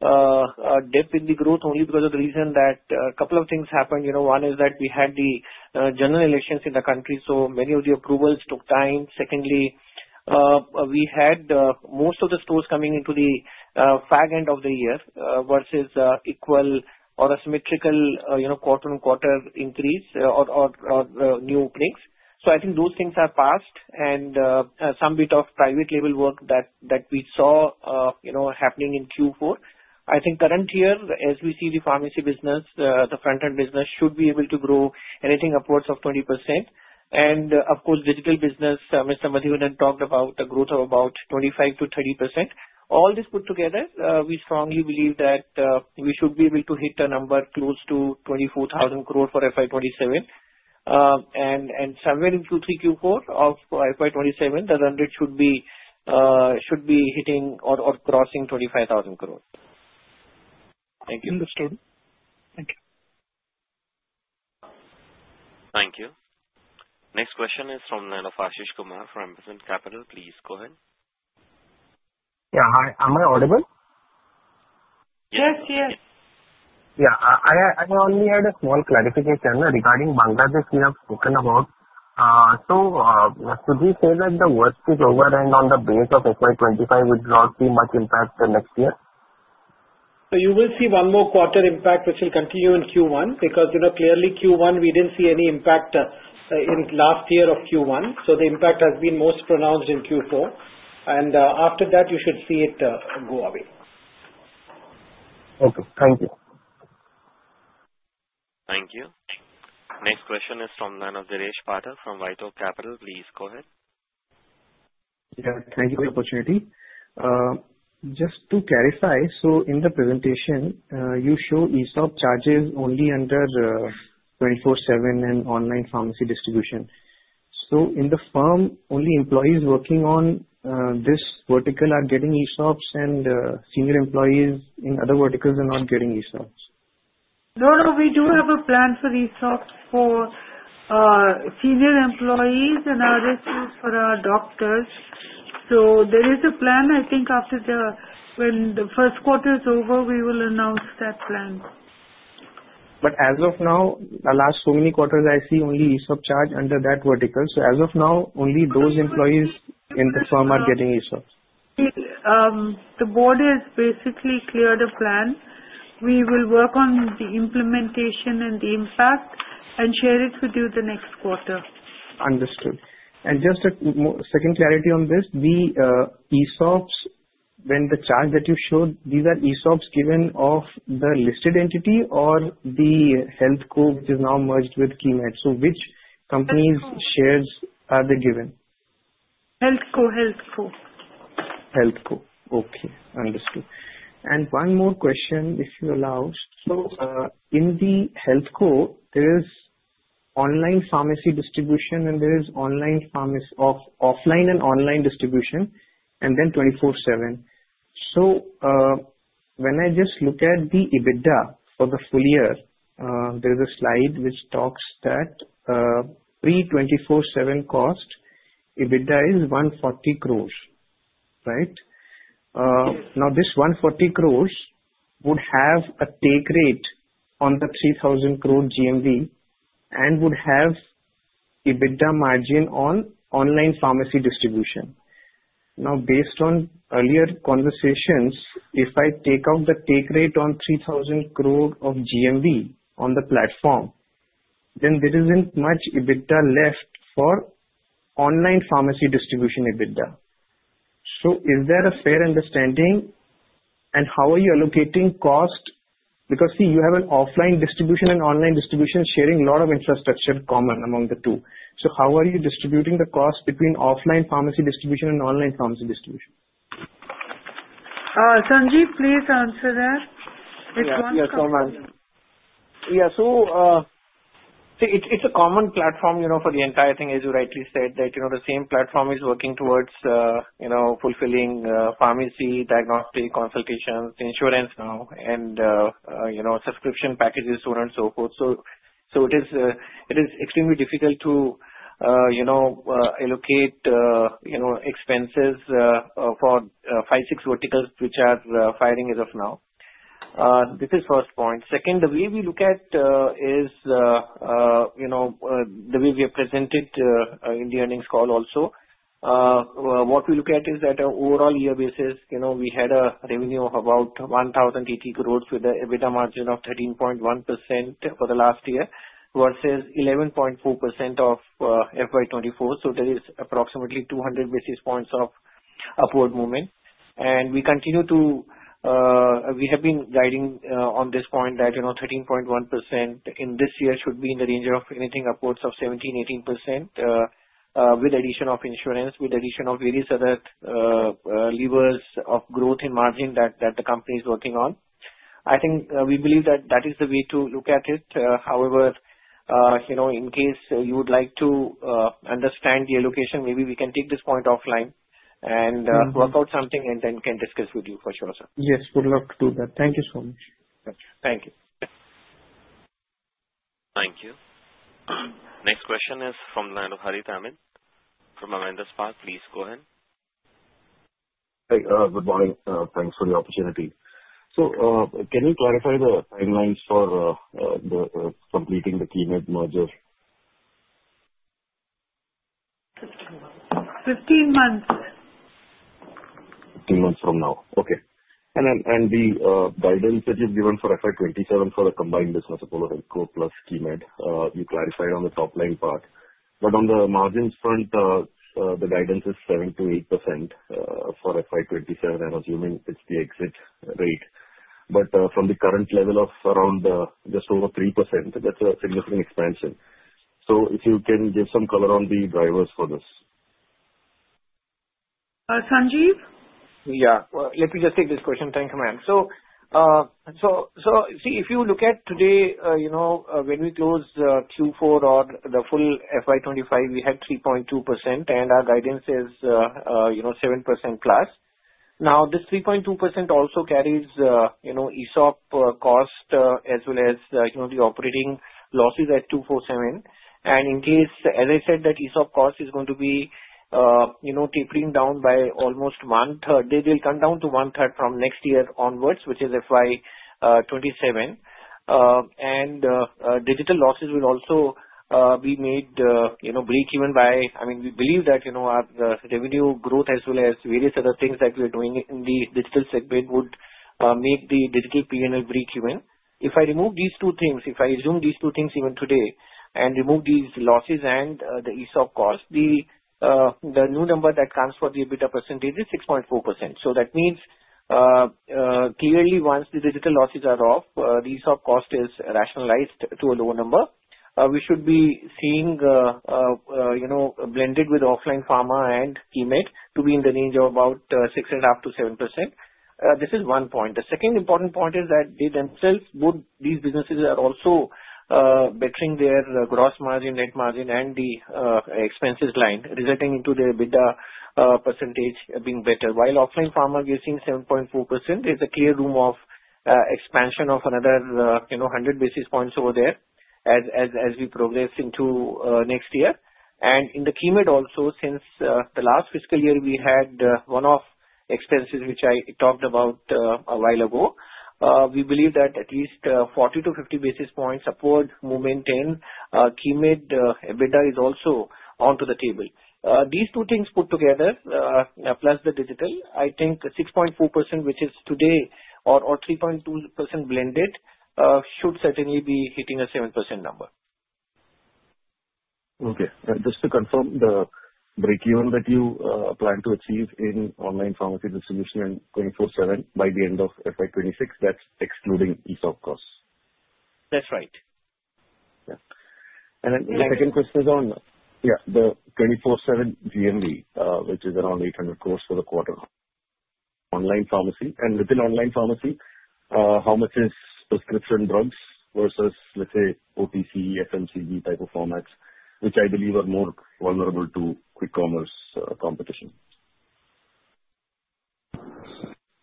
dip in the growth only because of the reason that a couple of things happened. One is that we had the general elections in the country, so many of the approvals took time. Secondly, we had most of the stores coming into the fag end of the year versus equal or asymmetrical quarter-on-quarter increase or new openings. I think those things have passed, and some bit of private label work that we saw happening in Q4. I think current year, as we see the pharmacy business, the front-end business should be able to grow anything upwards of 20%. Of course, digital business, Mr. Madhivanan talked about the growth of about 25%-30%. All this put together, we strongly believe that we should be able to hit a number close to 24,000 crore for FY 2027. Somewhere in Q3, Q4 of FY 2027, the run rate should be hitting or crossing 25,000 crore. Thank you. Understood. Thank you. Thank you. Next question is from [Nananthusharan Srinivasan from MSN Capital]. Please go ahead. Yeah. Hi. Am I audible? Yes. Yes. Yeah. I only had a small clarification regarding Bangladesh we have spoken about. Should we say that the worst is over and on the base of FY 2025, which will not be much impact next year? You will see one more quarter impact, which will continue in Q1 because clearly Q1, we did not see any impact in last year of Q1. The impact has been most pronounced in Q4. After that, you should see it go away. Okay. Thank you. Thank you. Next question is from Dheeresh Pathak from WhiteOak Capital. Please go ahead. Yeah. Thank you for the opportunity. Just to clarify, so in the presentation, you show ESOP charges only under 24/7 and online pharmacy distribution. So in the firm, only employees working on this vertical are getting ESOPs, and senior employees in other verticals are not getting ESOPs? No, no. We do have a plan for ESOPs for senior employees and others, use for our doctors. So there is a plan. I think after the first quarter is over, we will announce that plan. As of now, the last so many quarters, I see only ESOP charge under that vertical. As of now, only those employees in the firm are getting ESOPs. The board has basically cleared a plan. We will work on the implementation and the impact and share it with you the next quarter. Understood. Just a second, clarity on this, the ESOPs, when the charge that you showed, these are ESOPs given of the listed entity or the HealthCo, which is now merged with Keimed? So which company's shares are they given? HealthCo. HealthCo. HealthCo. Okay. Understood. One more question, if you allow. In the HealthCo, there is online pharmacy distribution, and there is offline and online distribution, and then 24/7. When I just look at the EBITDA for the full year, there is a slide which talks that pre-24/7 cost, EBITDA is 140 crore, right? Now, this 140 crore would have a take rate on the 3,000 crore GMV and would have EBITDA margin on online pharmacy distribution. Based on earlier conversations, if I take out the take rate on 3,000 crore of GMV on the platform, then there is not much EBITDA left for online pharmacy distribution EBITDA. Is there a fair understanding? How are you allocating cost? Because, see, you have an offline distribution and online distribution sharing a lot of infrastructure common among the two. How are you distributing the cost between offline pharmacy distribution and online pharmacy distribution? Sanjiv, please answer that. Which one's common? Yes. Yeah. So it's a common platform for the entire thing, as you rightly said, that the same platform is working towards fulfilling pharmacy, diagnostic, consultations, insurance now, and subscription packages, so on and so forth. It is extremely difficult to allocate expenses for five, six verticals which are firing as of now. This is first point. Second, the way we look at it is the way we have presented in the earnings call also. What we look at is that overall year basis, we had a revenue of about 1,080 crore with an EBITDA margin of 13.1% for the last year versus 11.4% of FY 2024. There is approximately 200 basis points of upward movement. We have been guiding on this point that 13.1% in this year should be in the range of anything upwards of 17%-18% with addition of insurance, with addition of various other levers of growth and margin that the company is working on. I think we believe that that is the way to look at it. However, in case you would like to understand the allocation, maybe we can take this point offline and work out something and then can discuss with you for sure, sir. Yes. We'd love to do that. Thank you so much. Thank you. Thank you. Next question is from Harith Ahamed from Avendus. Please go ahead. Hi. Good morning. Thanks for the opportunity. Can you clarify the timelines for completing the Keimed merger? 15 months. Fifteen months from now. Okay. And the guidance that you've given for fiscal year 2027 for the combined business of both HealthCo plus Keimed, you clarified on the top-line part. On the margins front, the guidance is 7%-8% for FY 2027. I'm assuming it's the exit rate. From the current level of around just over 3%, that's a significant expansion. If you can give some color on the drivers for this. Sanjiv? Yeah. Let me just take this question. Thank you, ma'am. See, if you look at today, when we closed Q4 or the full FY 2025, we had 3.2%, and our guidance is 7% plus. Now, this 3.2% also carries ESOP cost as well as the operating losses at 24/7. In case, as I said, that ESOP cost is going to be tapering down by almost one-third, they will come down to one-third from next year onwards, which is FY 2027. Digital losses will also be made break-even by, I mean, we believe that the revenue growth as well as various other things that we are doing in the digital segment would make the digital P&L break-even. If I remove these two things, if I assume these two things even today and remove these losses and the e-shop cost, the new number that comes for the EBITDA percentage is 6.4%. That means clearly, once the digital losses are off, the e-shop cost is rationalized to a lower number. We should be seeing blended with offline pharma and Keimed to be in the range of about 6.5%-7%. This is one point. The second important point is that they themselves would, these businesses are also bettering their gross margin, net margin, and the expenses line, resulting into the EBITDA percentage being better. While offline pharma, we are seeing 7.4%. There is a clear room of expansion of another 100 basis points over there as we progress into next year. In the Keimed also, since the last fiscal year, we had one-off expenses, which I talked about a while ago. We believe that at least 40-50 basis points upward movement in Keimed EBITDA is also onto the table. These two things put together, plus the digital, I think 6.4%, which is today, or 3.2% blended, should certainly be hitting a 7% number. Okay. Just to confirm, the break-even that you plan to achieve in online pharmacy distribution in 24/7 by the end of FY 2026, that's excluding e-shop costs? That's right. Yeah. The second question is on, yeah, the 24/7 GMV, which is around 800 crore for the quarter. Online pharmacy? Within online pharmacy, how much is prescription drugs versus, let's say, OTC, FMCG type of formats, which I believe are more vulnerable to e-commerce competition?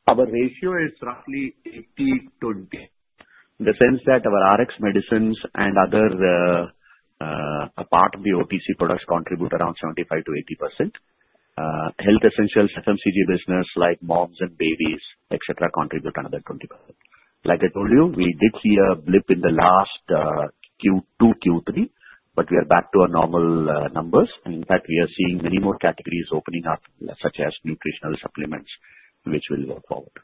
Our ratio is roughly 80:2. In the sense that our Rx medicines and other part of the OTC products contribute around 75%-80%. Health essentials, FMCG business like moms and babies, etc., contribute another 20%. Like I told you, we did see a blip in the last Q2, Q3, but we are back to our normal numbers. In fact, we are seeing many more categories opening up, such as nutritional supplements, which will go forward.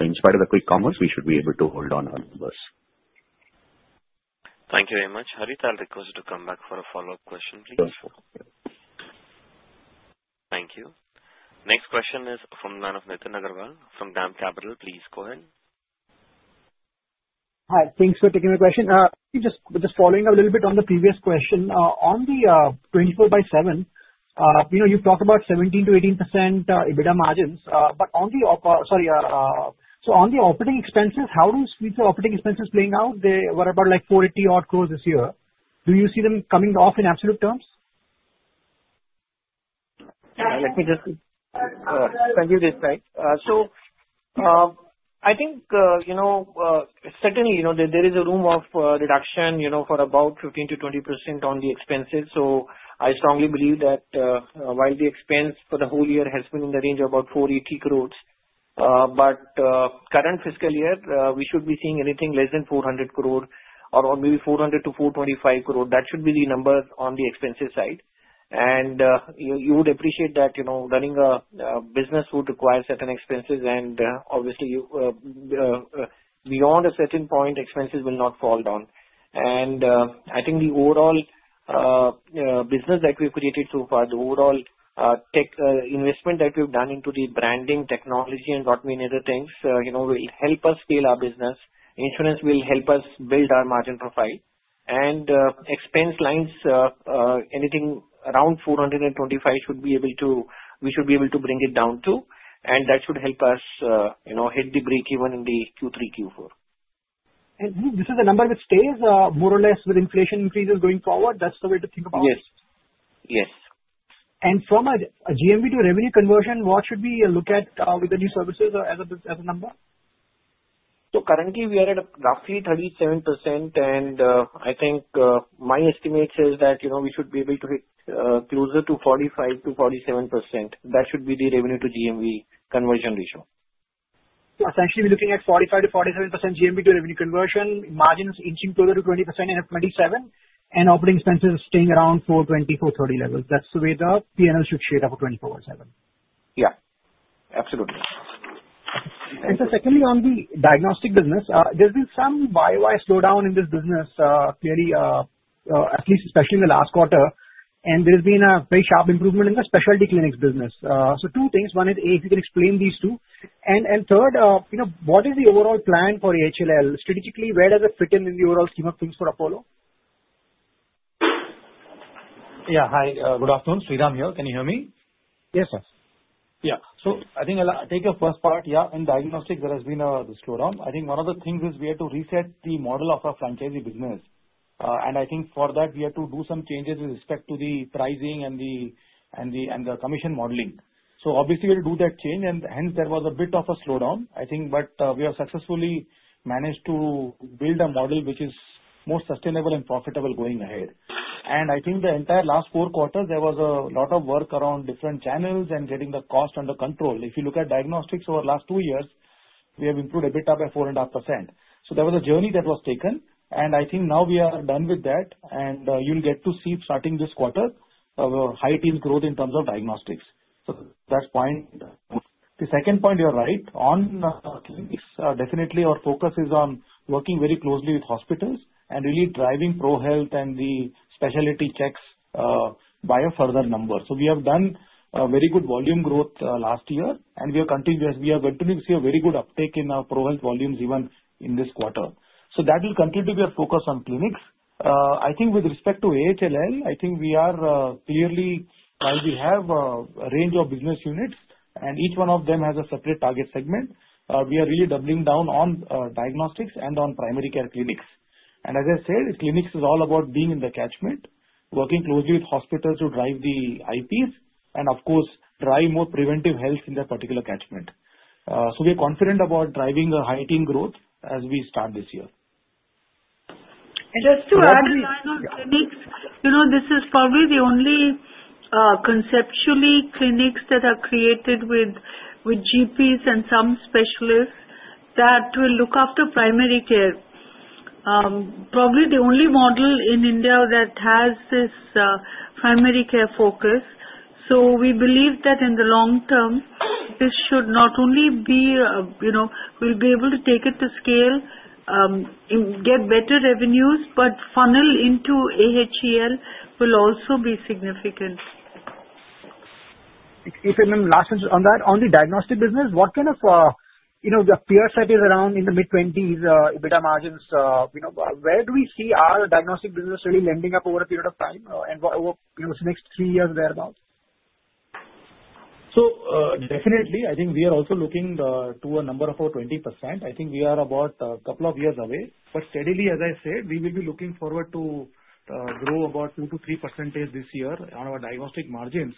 In spite of the quick commerce, we should be able to hold on our numbers. Thank you very much. Harith, I'll request you to come back for a follow-up question, please. Sure. Thank you. Next question is from Nitin Agarwal from DAM Capital. Please go ahead. Hi. Thanks for taking my question. Just following up a little bit on the previous question. On the 24/7, you've talked about 17%-18% EBITDA margins. On the operating—sorry. On the operating expenses, how do you see the operating expenses playing out? They were about like 480 crore this year. Do you see them coming off in absolute terms? Let me just—thank you, Deepak. I think certainly there is a room of reduction for about 15%-20% on the expenses. I strongly believe that while the expense for the whole year has been in the range of about 480 crore, current fiscal year, we should be seeing anything less than 400 crore or maybe 400-425 crore. That should be the number on the expenses side. You would appreciate that running a business would require certain expenses. Obviously, beyond a certain point, expenses will not fall down. I think the overall business that we've created so far, the overall investment that we've done into the branding, technology, and what many other things will help us scale our business. Insurance will help us build our margin profile. Expense lines, anything around 425, we should be able to bring it down to. That should help us hit the break-even in Q3, Q4. This is the number which stays more or less with inflation increases going forward? That's the way to think about it? Yes. Yes. From a GMV to revenue conversion, what should we look at with the new services as a number? Currently, we are at roughly 37%. I think my estimate says that we should be able to hit closer to 45%-47%. That should be the revenue to GMV conversion ratio. Essentially, we're looking at 45%-47% GMV to revenue conversion, margins inching closer to 20% in FY 2027, and operating expenses staying around 420-430 levels. That's the way the P&L should shade up for 24/7. Yeah. Absolutely. Secondly, on the diagnostic business, there has been some bywise slowdown in this business, clearly, at least especially in the last quarter. There has been a very sharp improvement in the specialty clinics business. Two things. One is, A, if you can explain these two. Third, what is the overall plan for AHLL? Strategically, where does it fit in in the overall scheme of things for Apollo? Yeah. Hi. Good afternoon. Sriram here. Can you hear me? Yes, sir. Yeah. I think I'll take your first part. Yeah. In diagnostics, there has been a slowdown. I think one of the things is we had to reset the model of our franchisee business. I think for that, we had to do some changes with respect to the pricing and the commission modeling. Obviously, we had to do that change. Hence, there was a bit of a slowdown, I think. We have successfully managed to build a model which is more sustainable and profitable going ahead. I think the entire last four quarters, there was a lot of work around different channels and getting the cost under control. If you look at diagnostics over the last two years, we have improved EBITDA by 4.5%. There was a journey that was taken. I think now we are done with that. You'll get to see starting this quarter high-teens growth in terms of diagnostics. That is point. The second point, you're right. On clinics, definitely, our focus is on working very closely with hospitals and really driving ProHealth and the specialty checks by a further number. We have done very good volume growth last year. We are continuing to see a very good uptake in our ProHealth volumes even in this quarter. That will continue to be our focus on clinics. I think with respect to AHLL, we are clearly, while we have a range of business units, and each one of them has a separate target segment, we are really doubling down on diagnostics and on primary care clinics. Clinics is all about being in the catchment, working closely with hospitals to drive the IPs, and of course, drive more preventive health in that particular catchment. We are confident about driving a high-teen growth as we start this year. Just to add, in clinics, this is probably the only conceptually clinics that are created with GPs and some specialists that will look after primary care. Probably the only model in India that has this primary care focus. We believe that in the long term, this should not only be we'll be able to take it to scale, get better revenues, but funnel into AHLL will also be significant. If I may last answer on that, on the diagnostic business, what kind of the fear set is around in the mid-20s EBITDA margins? Where do we see our diagnostic business really lending up over a period of time and over the next three years thereabout? Definitely, I think we are also looking to a number of over 20%. I think we are about a couple of years away. Steadily, as I said, we will be looking forward to grow about 2%-3% this year on our diagnostic margins.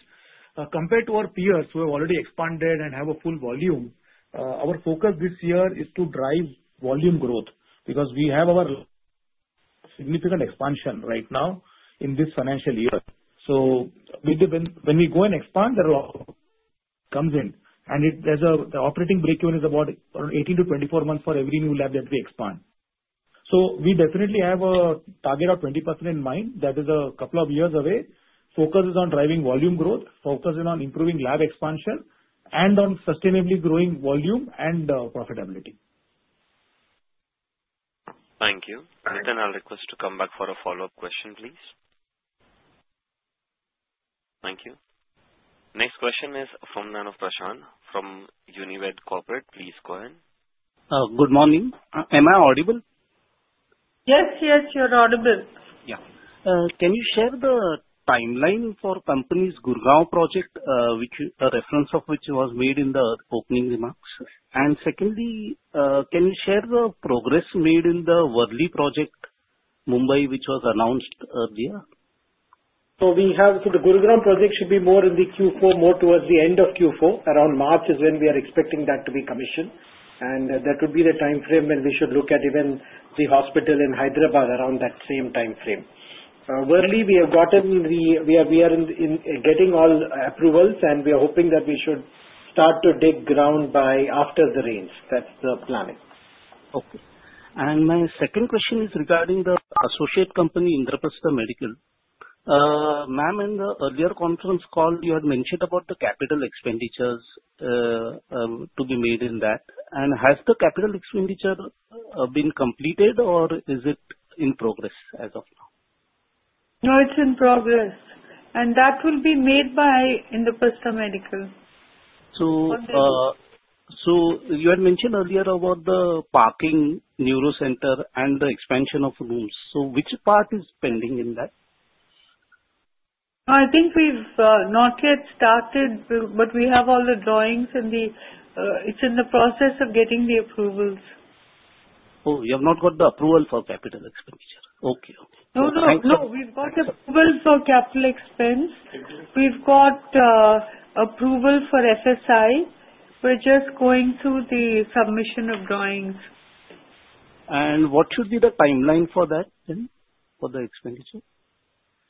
Compared to our peers who have already expanded and have a full volume, our focus this year is to drive volume growth because we have our significant expansion right now in this financial year. When we go and expand, there are a lot of comes in. The operating break-even is about 18-24 months for every new lab that we expand. We definitely have a target of 20% in mind that is a couple of years away. Focus is on driving volume growth, focus is on improving lab expansion, and on sustainably growing volume and profitability. Thank you. I will request you to come back for a follow-up question, please. Thank you. Next question is from [Nananthusharan Srinivasan from Unibed Corporate]. Please go ahead. Good morning. Am I audible? Yes, yes. You're audible. Yeah. Can you share the timeline for company's Gurgaon project, a reference of which was made in the opening remarks? Secondly, can you share the progress made in the Verli project Mumbai, which was announced earlier? We have the Gurugram project, which should be more in Q4, more towards the end of Q4. Around March is when we are expecting that to be commissioned. That would be the time frame when we should look at even the hospital in Hyderabad around that same time frame. Verli, we are getting all approvals, and we are hoping that we should start to dig ground after the rains. That is the planning. Okay. My second question is regarding the associate company, Indraprastha Medical. Ma'am, in the earlier conference call, you had mentioned about the capital expenditures to be made in that. Has the capital expenditure been completed, or is it in progress as of now? No, it's in progress. That will be made by Indraprastha Medical. You had mentioned earlier about the parking, neuro center, and the expansion of rooms. Which part is pending in that? I think we've not yet started, but we have all the drawings, and it's in the process of getting the approvals. Oh, you have not got the approval for capital expenditure. Okay. Okay. No, no, no. We've got approval for capital expense. We've got approval for FSI. We're just going through the submission of drawings. What should be the timeline for that, for the expenditure?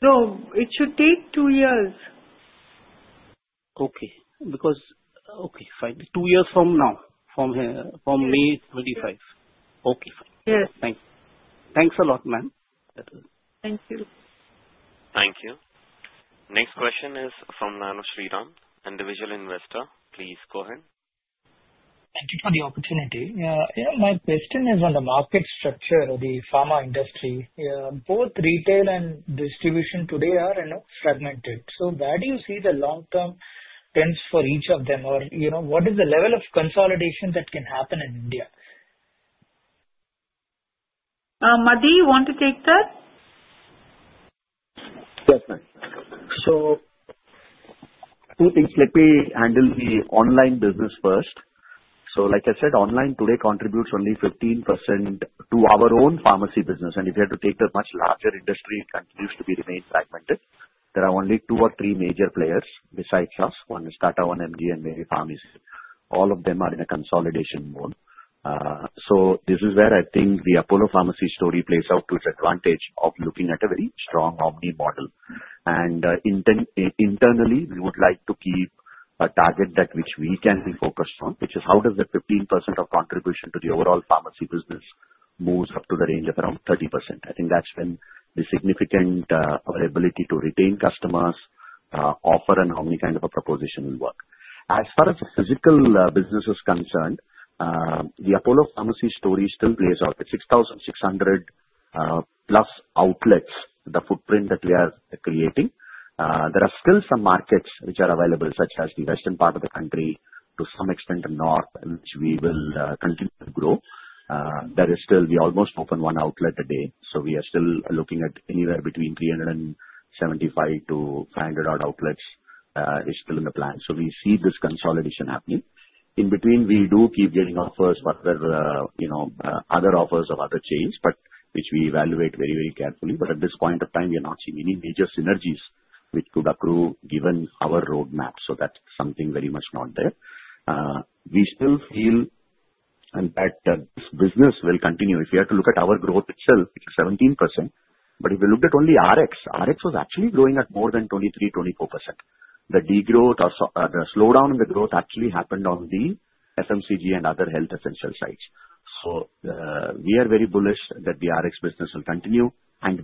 No, it should take two years. Okay. Okay. Fine. Two years from now, from May 25. Okay. Thank you. Thanks a lot, ma'am. Thank you. Thank you. Next question is from [Srivam], individual investor. Please go ahead. Thank you for the opportunity. My question is on the market structure of the pharma industry. Both retail and distribution today are fragmented. Where do you see the long-term trends for each of them, or what is the level of consolidation that can happen in India? Madhi, you want to take that? Yes, ma'am. Two things. Let me handle the online business first. Like I said, online today contributes only 15% to our own pharmacy business. If you had to take the much larger industry, it continues to remain fragmented. There are only two or three major players besides us. One is Tata 1mg and MedPlus Pharmacies. All of them are in a consolidation mode. This is where I think the Apollo Pharmacy story plays out to its advantage of looking at a very strong omni model. Internally, we would like to keep a target that we can be focused on, which is how does the 15% of contribution to the overall pharmacy business move up to the range of around 30%. I think that's been the significant ability to retain customers, offer an omni kind of a proposition will work. As far as the physical business is concerned, the Apollo Pharmacy story still plays out. It is 6,600+ outlets, the footprint that we are creating. There are still some markets which are available, such as the western part of the country, to some extent the north, which we will continue to grow. We almost opened one outlet a day. We are still looking at anywhere between 375-500 odd outlets is still in the plan. We see this consolidation happening. In between, we do keep getting offers of other chains, which we evaluate very, very carefully. At this point of time, we are not seeing any major synergies which could accrue given our roadmap. That is something very much not there. We still feel that this business will continue. If you have to look at our growth itself, which is 17%, but if you look at only RX, RX was actually growing at more than 23%-24%. The slowdown in the growth actually happened on the FMCG and other health essential sites. We are very bullish that the RX business will continue.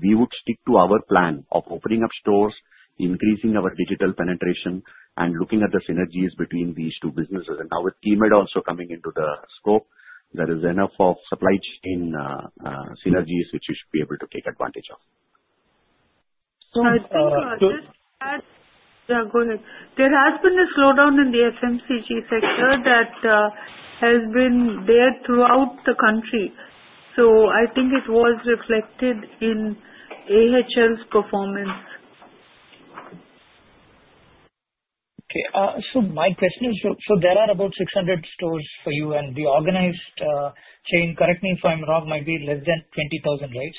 We would stick to our plan of opening up stores, increasing our digital penetration, and looking at the synergies between these two businesses. Now with Keimed also coming into the scope, there is enough of supply chain synergies which we should be able to take advantage of. I think. So. Go ahead. There has been a slowdown in the FMCG sector that has been there throughout the country. I think it was reflected in AHLL's performance. Okay. So my question is, so there are about 600 stores for you, and the organized chain, correct me if I'm wrong, might be less than 20,000, right?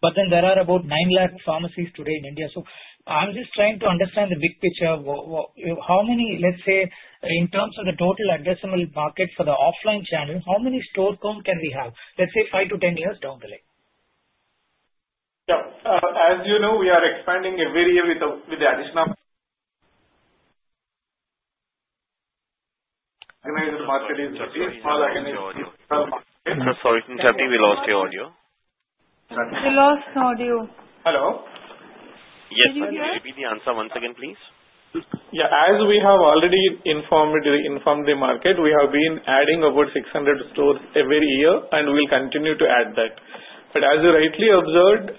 But then there are about 900,000 pharmacies today in India. So I'm just trying to understand the big picture. How many, let's say, in terms of the total addressable market for the offline channel, how many store count can we have? Let's say 5-10 years down the line. Yeah. As you know, we are expanding every year with the additional. Organizing the market is a very small organizing market. I'm sorry. Can you tell me, we lost your audio? We lost audio. Hello? Yes, sir. Can you give me the answer once again, please? Yeah. As we have already informed the market, we have been adding over 600 stores every year, and we will continue to add that. As you rightly observed,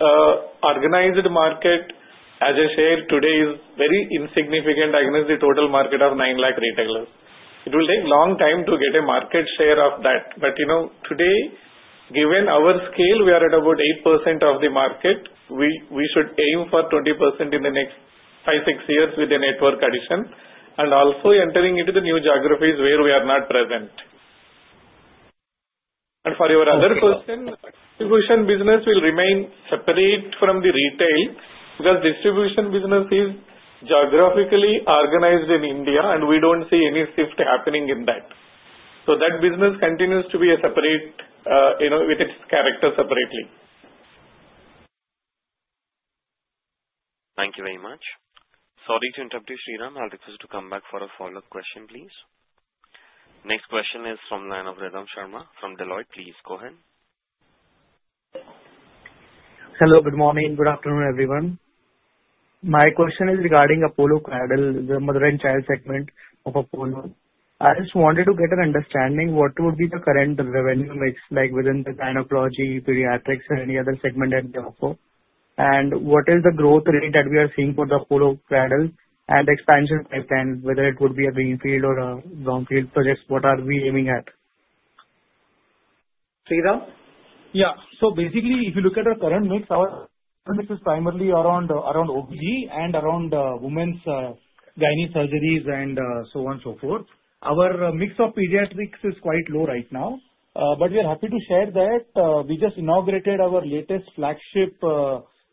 organized market, as I shared today, is very insignificant against the total market of 900,000 retailers. It will take a long time to get a market share of that. Today, given our scale, we are at about 8% of the market. We should aim for 20% in the next five-six years with the network addition, and also entering into the new geographies where we are not present. For your other question, distribution business will remain separate from the retail because distribution business is geographically organized in India, and we do not see any shift happening in that. That business continues to be separate with its character separately. Thank you very much. Sorry to interrupt you, Sriram. I'll request you to come back for a follow-up question, please. Next question is from Adamya Sharma from Deloitte. Please go ahead. Hello. Good morning. Good afternoon, everyone. My question is regarding Apollo Cradle, the mother and child segment of Apollo. I just wanted to get an understanding what would be the current revenue mix within the gynecology, pediatrics, and any other segment at the Apollo. What is the growth rate that we are seeing for the Apollo Cradle and expansion pipeline, whether it would be a greenfield or a brownfield projects? What are we aiming at? Sriram? Yeah. So basically, if you look at our current mix, our current mix is primarily around OBGYN and around women's gynecology surgeries and so on and so forth. Our mix of pediatrics is quite low right now. We are happy to share that we just inaugurated our latest flagship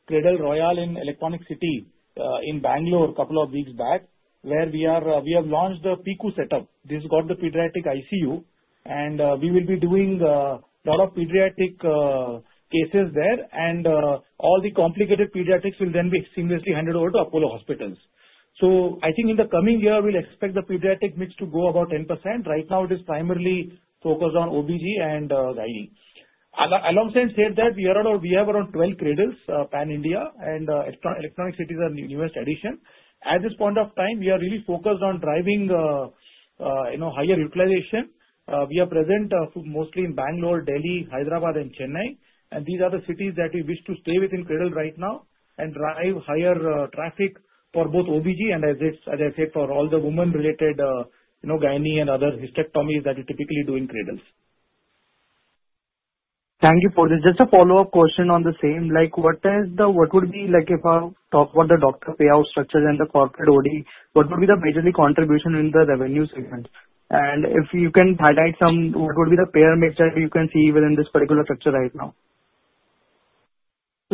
Cradle Royale in Electronic City in Bangalore a couple of weeks back, where we have launched the PICU setup. This has got the pediatric ICU. We will be doing a lot of pediatric cases there. All the complicated pediatrics will then be seamlessly handed over to Apollo Hospitals. I think in the coming year, we will expect the pediatric mix to go about 10%. Right now, it is primarily focused on OBGYN and gynecology. Alongside, saying that we have around 12 cradles pan-India and Electronic Cities and Universe edition. At this point of time, we are really focused on driving higher utilization. We are present mostly in Bangalore, Delhi, Hyderabad, and Chennai. These are the cities that we wish to stay within Cradle right now and drive higher traffic for both OBGYN and, as I said, for all the woman-related gynecology and other hysterectomies that we typically do in Cradles. Thank you for this. Just a follow-up question on the same. What would be, if I talk about the doctor payout structure and the corporate OD, what would be the major contribution in the revenue segment? If you can highlight some, what would be the payout mix that you can see within this particular structure right now?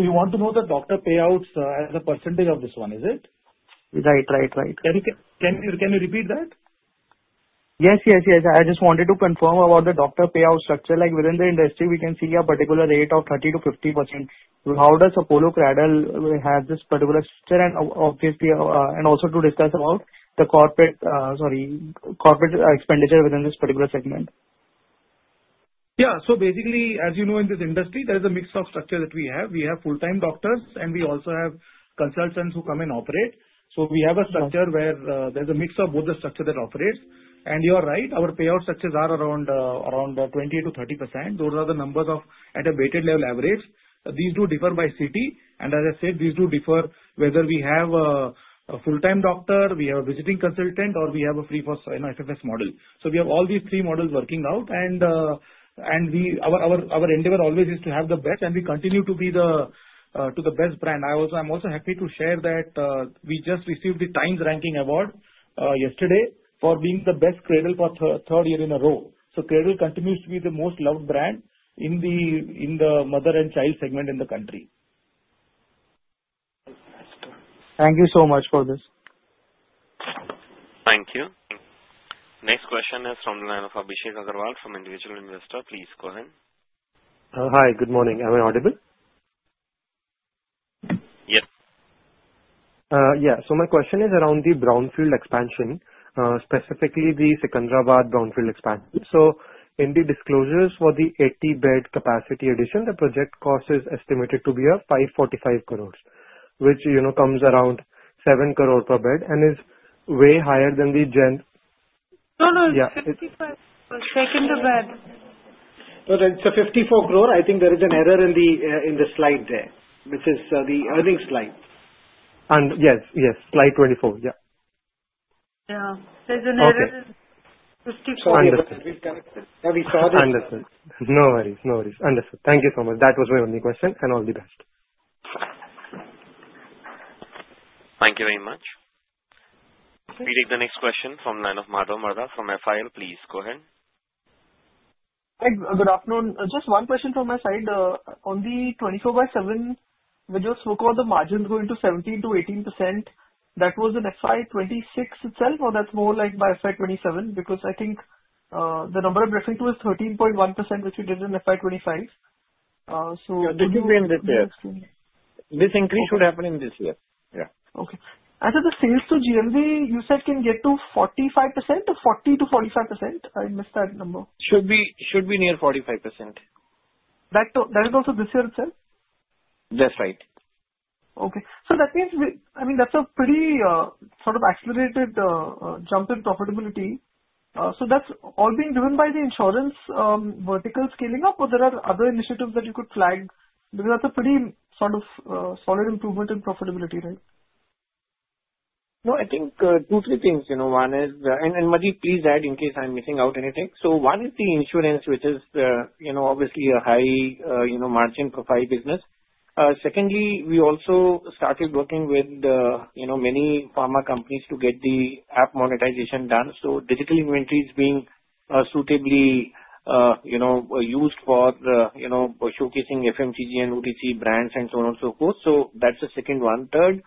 You want to know the doctor payouts as a percentage of this one, is it? Right, right, right. Can you repeat that? Yes, yes, yes. I just wanted to confirm about the doctor payout structure. Within the industry, we can see a particular rate of 30%-50%. How does Apollo Cradle have this particular structure? Obviously, also to discuss about the corporate expenditure within this particular segment. Yeah. So basically, as you know, in this industry, there is a mix of structure that we have. We have full-time doctors, and we also have consultants who come and operate. We have a structure where there's a mix of both the structure that operates. You are right. Our payout structures are around 20%-30%. Those are the numbers at a weighted level average. These do differ by city. As I said, these do differ whether we have a full-time doctor, we have a visiting consultant, or we have a free FFS model. We have all these three models working out. Our endeavor always is to have the best, and we continue to be the best brand. I'm also happy to share that we just received the Times Ranking Award yesterday for being the best cradle for the third year in a row. Cradle continues to be the most loved brand in the mother and child segment in the country. Thank you so much for this. Thank you. Next question is from [Fabi Agarwal] from individual investor. Please go ahead. Hi. Good morning. Am I audible? Yes. Yeah. So my question is around the brownfield expansion, specifically the Secunderabad brownfield expansion. In the disclosures for the 80-bed capacity addition, the project cost is estimated to be 545 crore, which comes around 7 crore per bed and is way higher than the Gen. No, no. It's 55 crore. Second to that. It's a 54 crore. I think there is an error in the slide there, which is the earnings slide. Yes, yes. Slide 24. Yeah. Yeah. There's an error in 54. Understood. We've corrected it. Yeah, we saw this. Understood. No worries. Understood. Thank you so much. That was my only question. All the best. Thank you very much. We take the next question from Madhav Marda from FIL. Please go ahead. Hi. Good afternoon. Just one question from my side. On the 24/7, when you spoke about the margin going to 17%-18%, that was in FY 2026 itself, or that's more like by FY 2027? Because I think the number I'm referring to is 13.1%, which we did in FY 2025. Yeah. This increase should happen in this year. Yeah. Okay. And the sales to GMV, you said can get to 45% or 40%-45%? I missed that number. Should be near 45%. That is also this year itself? That's right. Okay. So that means, I mean, that's a pretty sort of accelerated jump in profitability. So that's all being driven by the insurance vertical scaling up, or are there other initiatives that you could flag? Because that's a pretty sort of solid improvement in profitability, right? No, I think two, three things. One is, and Madhi, please add in case I'm missing out anything. One is the insurance, which is obviously a high-margin profile business. Secondly, we also started working with many pharma companies to get the app monetization done. Digital inventories being suitably used for showcasing FMCG and OTC brands and so on and so forth. That is the second one. Third,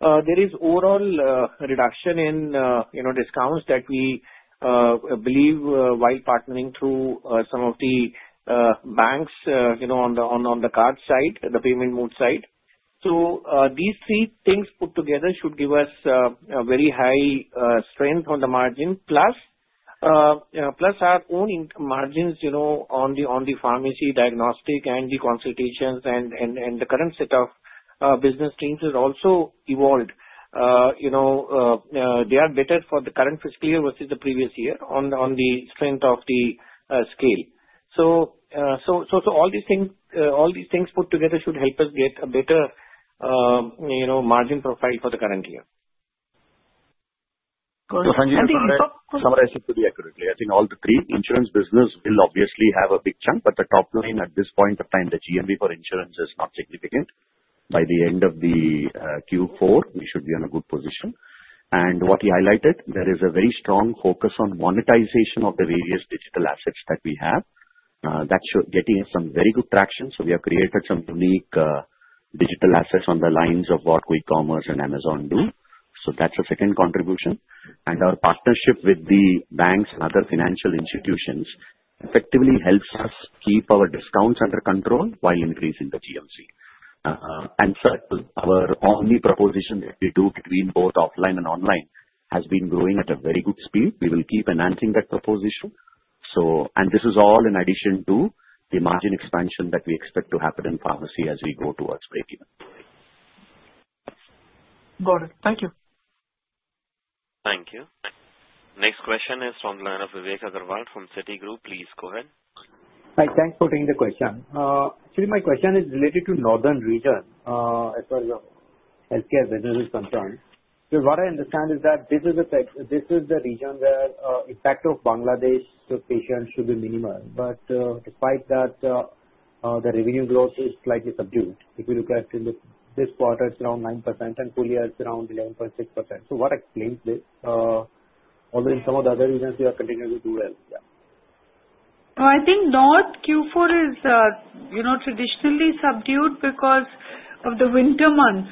there is overall reduction in discounts that we believe while partnering through some of the banks on the card side, the payment mode side. These three things put together should give us a very high strength on the margin, plus our own margins on the pharmacy, diagnostic, and the consultations, and the current set of business teams has also evolved. They are better for the current fiscal year versus the previous year on the strength of the scale. All these things put together should help us get a better margin profile for the current year. Thank you for summarizing pretty accurately. I think all the three, insurance business will obviously have a big chunk, but the top line at this point of time, the GMV for insurance is not significant. By the end of the Q4, we should be in a good position. What he highlighted, there is a very strong focus on monetization of the various digital assets that we have. That is getting some very good traction. We have created some unique digital assets on the lines of what WooCommerce and Amazon do. That is a second contribution. Our partnership with the banks and other financial institutions effectively helps us keep our discounts under control while increasing the GMC. Third, our only proposition that we do between both offline and online has been growing at a very good speed. We will keep enhancing that proposition. This is all in addition to the margin expansion that we expect to happen in pharmacy as we go towards breakeven. Got it. Thank you. Thank you. Next question is from the line of Vivek Agarwal from Citigroup. Please go ahead. Hi. Thanks for taking the question. Actually, my question is related to northern region as far as healthcare business is concerned. What I understand is that this is the region where impact of Bangladesh patients should be minimal. Despite that, the revenue growth is slightly subdued. If you look at this quarter, it's around 9%, and full year it's around 11.6%. What explains this? Although in some of the other regions, we are continuing to do well. Yeah. I think north Q4 is traditionally subdued because of the winter months.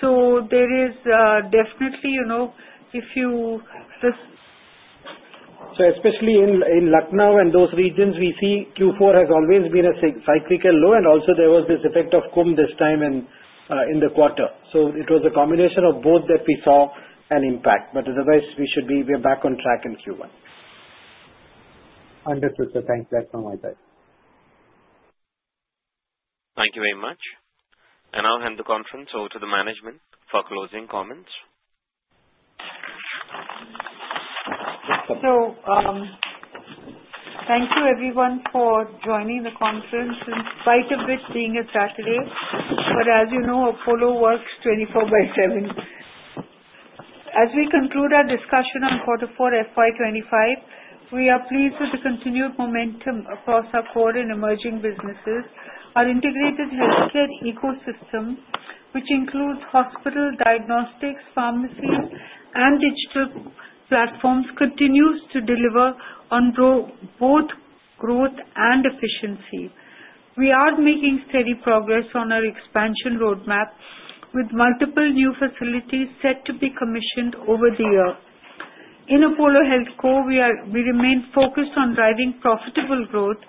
So there is definitely, if you. Especially in Lucknow and those regions, we see Q4 has always been a cyclical low. Also, there was this effect of calm this time in the quarter. It was a combination of both that we saw an impact. Otherwise, we are back on track in Q1. Understood. Thanks. That's all my side. Thank you very much. I will hand the conference over to the management for closing comments. Thank you, everyone, for joining the conference in spite of it being a Saturday. As you know, Apollo works 24/7. As we conclude our discussion on quarter four, FY 2025, we are pleased with the continued momentum across our core and emerging businesses. Our integrated healthcare ecosystem, which includes hospital diagnostics, pharmacies, and digital platforms, continues to deliver on both growth and efficiency. We are making steady progress on our expansion roadmap with multiple new facilities set to be commissioned over the year. In Apollo HealthCo, we remain focused on driving profitable growth,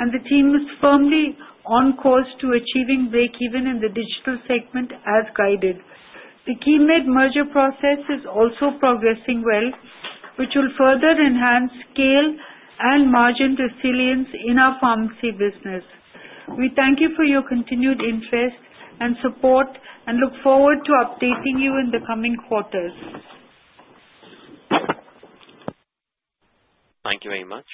and the team is firmly on course to achieving breakeven in the digital segment as guided. The Keimed merger process is also progressing well, which will further enhance scale and margin resilience in our pharmacy business. We thank you for your continued interest and support and look forward to updating you in the coming quarters. Thank you very much.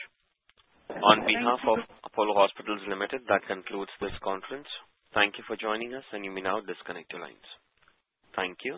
On behalf of Apollo Hospitals, that concludes this conference. Thank you for joining us, and you may now disconnect your lines. Thank you.